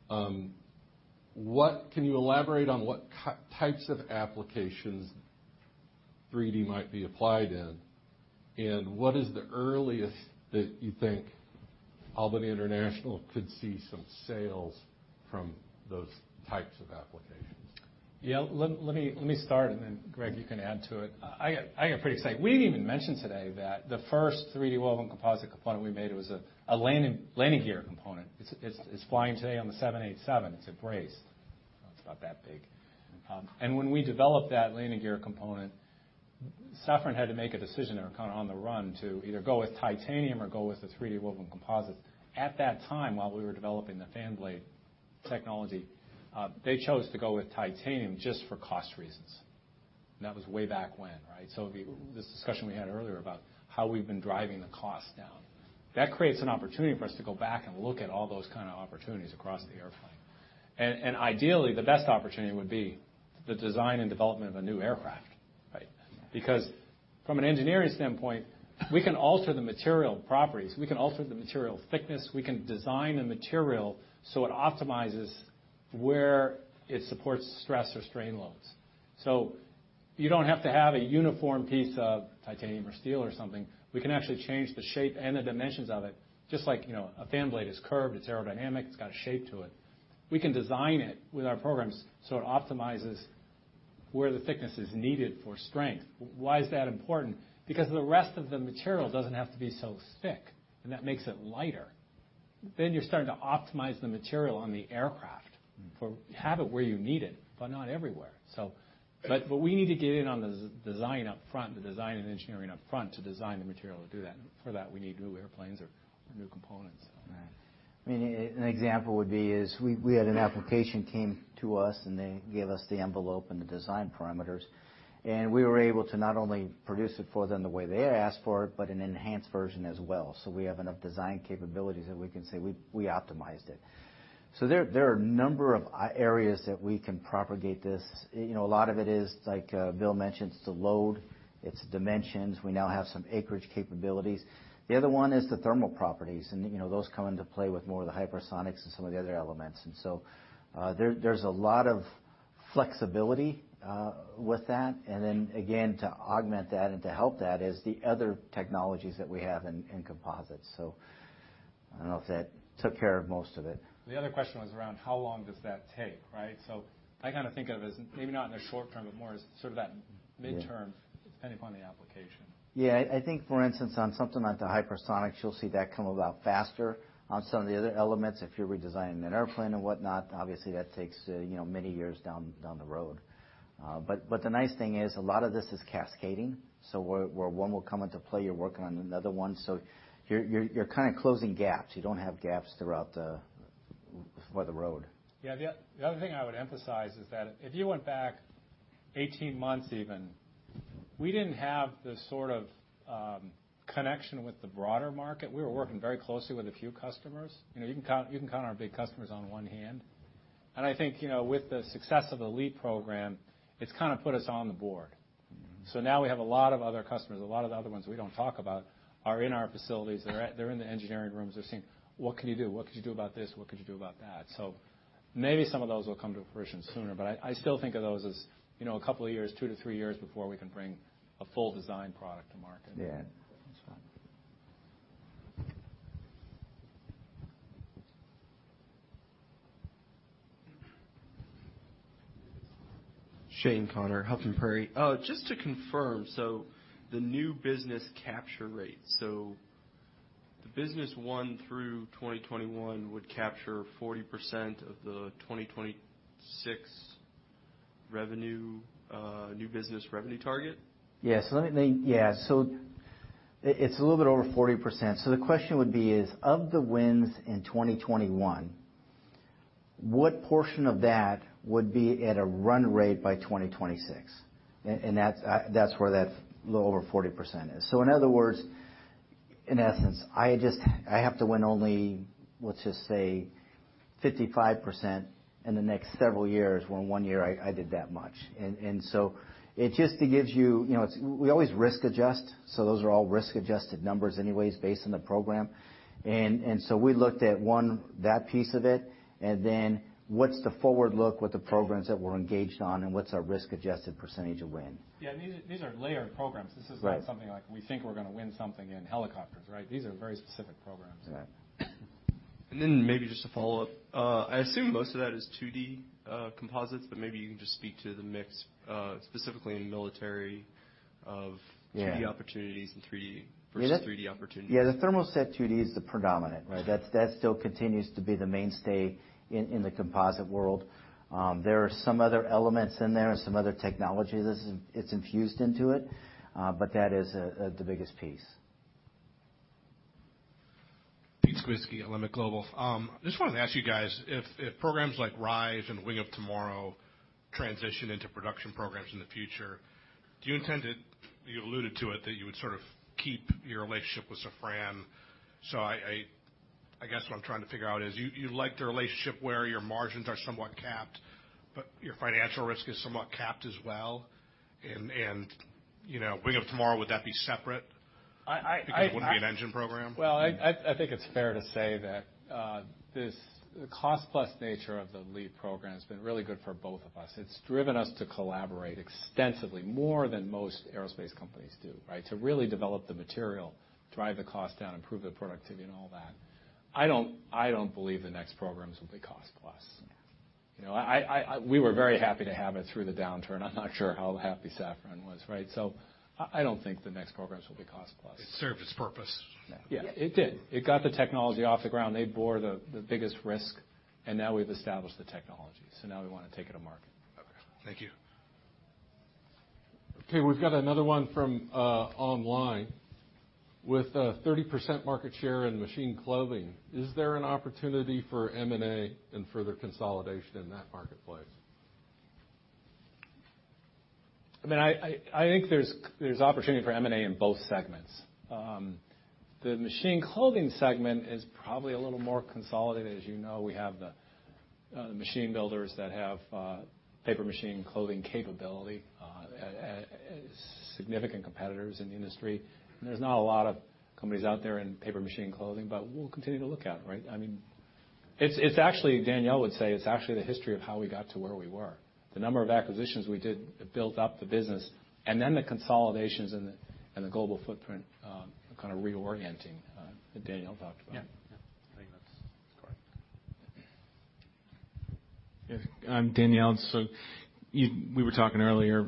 Can you elaborate on what types of applications 3D might be applied in? And what is the earliest that you think Albany International could see some sales from those types of applications? Yeah, let me start, and then Greg, you can add to it. I get pretty excited. We didn't even mention today that the first 3D woven composite component we made was a landing gear component. It's flying today on the 787. It's a brace. It's about that big. When we developed that landing gear component, Safran had to make a decision or kinda on the run to either go with titanium or go with the 3D woven composites. At that time, while we were developing the fan blade technology, they chose to go with titanium just for cost reasons. That was way back when, right? This discussion we had earlier about how we've been driving the cost down. That creates an opportunity for us to go back and look at all those kind of opportunities across the airplane. Ideally, the best opportunity would be the design and development of a new aircraft, right? Because from an engineering standpoint, we can alter the material properties, we can alter the material thickness, we can design the material so it optimizes where it supports stress or strain loads. So you don't have to have a uniform piece of titanium or steel or something. We can actually change the shape and the dimensions of it. Just like, you know, a fan blade is curved, it's aerodynamic, it's got a shape to it. We can design it with our programs so it optimizes where the thickness is needed for strength. Why is that important? Because the rest of the material doesn't have to be so thick, and that makes it lighter. You're starting to optimize the material on the aircraft. To have it where you need it, but not everywhere. But we need to get in on the design up front, the design and engineering up front to design the material to do that. For that, we need new airplanes or new components. I mean, an example would be we had an application came to us, and they gave us the envelope and the design parameters, and we were able to not only produce it for them the way they asked for it, but an enhanced version as well. We have enough design capabilities that we can say we optimized it. There are a number of areas that we can propagate this. You know, a lot of it is like Bill mentioned, it's the load, it's dimensions. We now have some acreage capabilities. The other one is the thermal properties, and you know, those come into play with more of the hypersonics and some of the other elements. There's a lot of flexibility with that. Then again, to augment that and to help that is the other technologies that we have in composites. I don't know if that took care of most of it. The other question was around how long does that take, right? I kinda think of it as maybe not in the short term, but more as sort of that midterm. Yeah. Depending upon the application. Yeah. I think, for instance, on something like the hypersonics, you'll see that come about faster. On some of the other elements, if you're redesigning an airplane and whatnot, obviously that takes, you know, many years down the road. But the nice thing is a lot of this is cascading, so where one will come into play, you're working on another one. You're kinda closing gaps. You don't have gaps throughout the road. Yeah. The other thing I would emphasize is that if you went back 18 months even, we didn't have the sort of connection with the broader market. We were working very closely with a few customers. You know, you can count our big customers on one hand. I think, you know, with the success of the LEAP program, it's kinda put us on the board. Mm-hmm. Now we have a lot of other customers, a lot of the other ones we don't talk about are in our facilities. They're in the engineering rooms. They're saying, "What can you do? What could you do about this? What could you do about that?" Maybe some of those will come to fruition sooner, but I still think of those as, you know, a couple of years, two-three years before we can bring a full design product to market. Yeah. That's fine. Shane Connor, Huffman Prairie. Just to confirm, so the new business capture rate. The business won through 2021 would capture 40% of the 2026 revenue, new business revenue target? It's a little bit over 40%. The question would be is, of the wins in 2021, what portion of that would be at a run rate by 2026? That's where that little over 40% is. In other words, in essence, I just have to win only, let's just say 55% in the next several years when one year I did that much. So it just gives you know, it's we always risk-adjust. Those are all risk-adjusted numbers anyways based on the program. We looked at, one, that piece of it, and then what's the forward look with the programs that we're engaged on and what's our risk-adjusted percentage of wins. Yeah. These are layered programs. Right. This is not something like we think we're gonna win something in helicopters, right? These are very specific programs. Right. Maybe just a follow-up. I assume most of that is 2D composites, but maybe you can just speak to the mix, specifically in military of Yeah. 2D opportunities and 3D versus 3D opportunities. Yeah. The thermoset 2D is the predominant, right? That still continues to be the mainstay in the composite world. There are some other elements in there and some other technologies it's infused into it, but that is the biggest piece. Pete Skibitski at Alembic Global. Just wanted to ask you guys if programs like RISE and Wing of Tomorrow transition into production programs in the future, do you intend it, you alluded to it, that you would sort of keep your relationship with Safran? I guess what I'm trying to figure out is you like the relationship where your margins are somewhat capped, but your financial risk is somewhat capped as well. You know, Wing of Tomorrow, would that be separate? I, I Because it wouldn't be an engine program. Well, I think it's fair to say that this cost-plus nature of the LEAP program has been really good for both of us. It's driven us to collaborate extensively, more than most aerospace companies do, right? To really develop the material, drive the cost down, improve the productivity and all that. I don't believe the next programs will be cost plus. You know, we were very happy to have it through the downturn. I'm not sure how happy Safran was, right? I don't think the next programs will be cost plus. It served its purpose. Yeah. Yeah. It did. It got the technology off the ground. They bore the biggest risk, and now we've established the technology, so now we wanna take it to market. Okay. Thank you. Okay, we've got another one from online. With a 30% market share in Machine Clothing, is there an opportunity for M&A and further consolidation in that marketplace? I mean, I think there's opportunity for M&A in both segments. The machine clothing segment is probably a little more consolidated. As you know, we have the machine builders that have paper machine clothing capability, significant competitors in the industry. There's not a lot of companies out there in paper machine clothing, but we'll continue to look at, right? I mean, it's actually, Daniel would say, it's actually the history of how we got to where we were. The number of acquisitions we did that built up the business and then the consolidations and the global footprint, kind of reorienting that Daniel talked about. Yeah. Yeah. I think that's correct. Yes. I'm Daniel. We were talking earlier,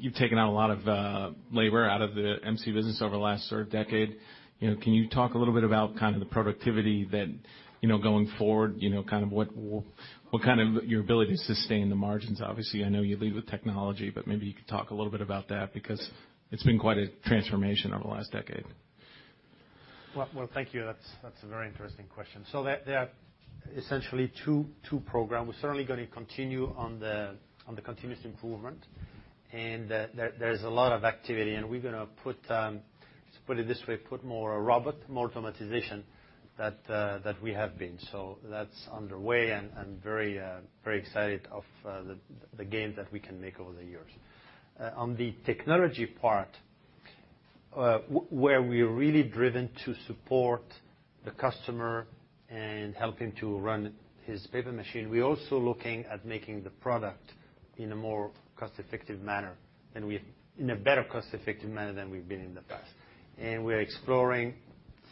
you've taken out a lot of labor out of the MC business over the last sort of decade. You know, can you talk a little bit about kind of the productivity that, you know, going forward, you know, kind of what kind of your ability to sustain the margins? Obviously, I know you lead with technology, but maybe you could talk a little bit about that because it's been quite a transformation over the last decade. Well, thank you. That's a very interesting question. There are essentially two programs. We're certainly gonna continue on the continuous improvement, and there's a lot of activity, and we're gonna put more robotics, more automation than we have been. That's underway, and I'm very excited about the gains that we can make over the years. On the technology part, where we're really driven to support the customer and help him to run his paper machine, we're also looking at making the product in a more cost-effective manner than we've been in the past. We're exploring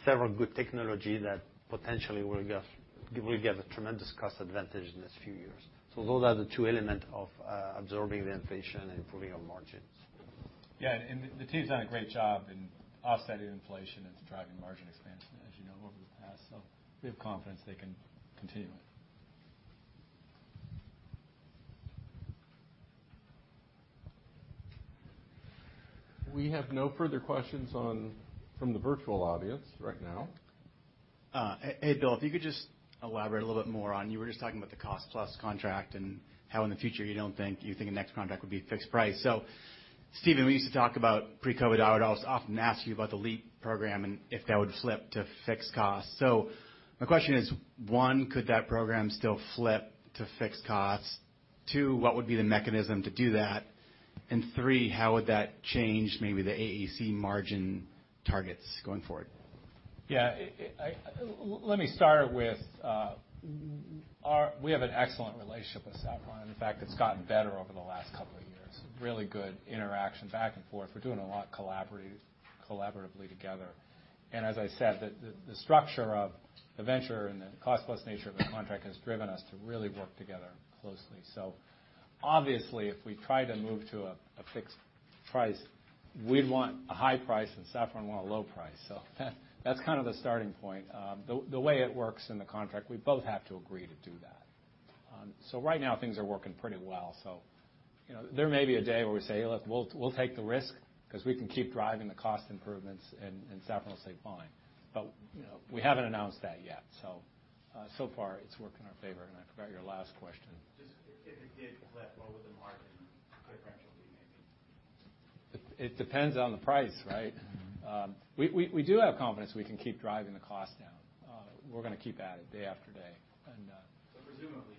several good technologies that potentially will give a tremendous cost advantage in the next few years. Those are the two elements of absorbing the inflation and improving our margins. Yeah. The team's done a great job in offsetting inflation and driving margin expansion, as you know, over the past. We have confidence they can continue it. We have no further questions from the virtual audience right now. Hey, Bill, if you could just elaborate a little bit more on, you were just talking about the cost plus contract and how in the future you think the next contract would be fixed price. Stephen, we used to talk about pre-COVID. I would always often ask you about the LEAP program and if that would flip to fixed price. My question is, one, could that program still flip to fixed price? Two, what would be the mechanism to do that? And three, how would that change maybe the AEC margin targets going forward? Yeah. Let me start with. We have an excellent relationship with Safran. In fact, it's gotten better over the last couple of years. Really good interaction back and forth. We're doing a lot collaboratively together. As I said, the structure of the venture and the cost plus nature of the contract has driven us to really work together closely. Obviously, if we try to move to a fixed price, we'd want a high price, and Safran want a low price. That, that's kind of the starting point. The way it works in the contract, we both have to agree to do that. Right now, things are working pretty well. You know, there may be a day where we say, "Look, we'll take the risk because we can keep driving the cost improvements and Safran will say fine." You know, we haven't announced that yet. So far, it's worked in our favor. I forgot your last question. If it did flip, what would the margin differential be maybe? It depends on the price, right? Mm-hmm. We do have confidence we can keep driving the cost down. We're gonna keep at it day after day. Presumably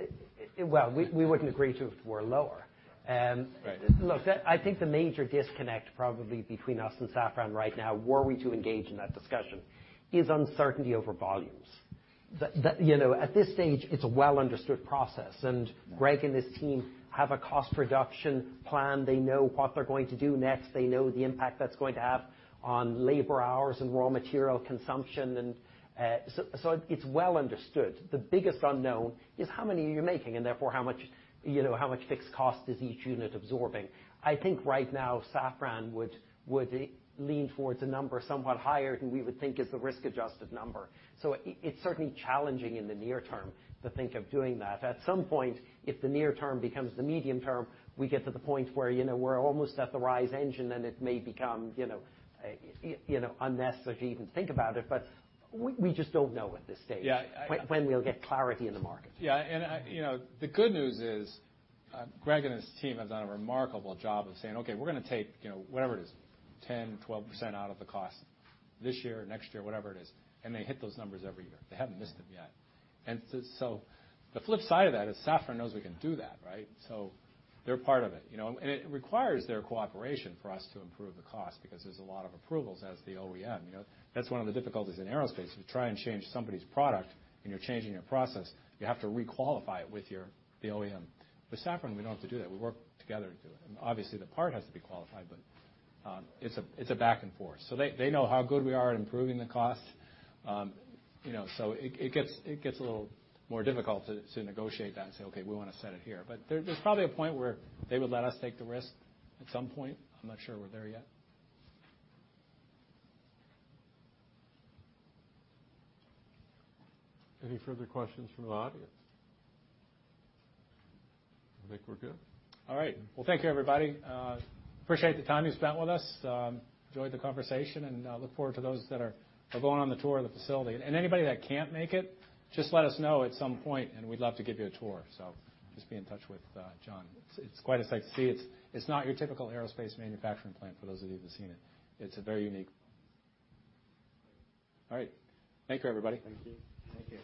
higher. Well, we wouldn't agree to it if it were lower. Right. Look, I think the major disconnect probably between us and Safran right now, were we to engage in that discussion, is uncertainty over volumes. You know, at this stage, it's a well-understood process, and Greg and his team have a cost reduction plan. They know what they're going to do next. They know the impact that's going to have on labor hours and raw material consumption. So it's well understood. The biggest unknown is how many are you making, and therefore how much, you know, how much fixed cost is each unit absorbing. I think right now, Safran would lean towards a number somewhat higher than we would think is the risk-adjusted number. It's certainly challenging in the near term to think of doing that. At some point, if the near term becomes the medium term, we get to the point where, you know, we're almost at the RISE engine, then it may become, you know, a, you know, unnecessary to even think about it. But we just don't know at this stage. Yeah. When we'll get clarity in the market. Yeah, I, you know, the good news is, Greg and his team has done a remarkable job of saying, "Okay, we're gonna take, you know, whatever it is, 10, 12% out of the cost this year or next year," whatever it is. They hit those numbers every year. They haven't missed them yet. The flip side of that is Safran knows we can do that, right? They're part of it, you know? It requires their cooperation for us to improve the cost because there's a lot of approvals as the OEM, you know? That's one of the difficulties in aerospace. If you try and change somebody's product and you're changing your process, you have to re-qualify it with your, the OEM. With Safran, we don't have to do that. We work together to do it. Obviously, the part has to be qualified, but it's a back and forth. They know how good we are at improving the cost. You know, it gets a little more difficult to negotiate that and say, "Okay, we wanna set it here." But there's probably a point where they would let us take the risk at some point. I'm not sure we're there yet. Any further questions from the audience? I think we're good. All right. Well, thank you everybody. Appreciate the time you spent with us. Enjoyed the conversation, and I look forward to those that are going on the tour of the facility. Anybody that can't make it, just let us know at some point, and we'd love to give you a tour. Just be in touch with John. It's quite a sight to see. It's not your typical aerospace manufacturing plant, for those of you who've seen it. It's a very unique one. All right. Thank you, everybody. Thank you. Thank you.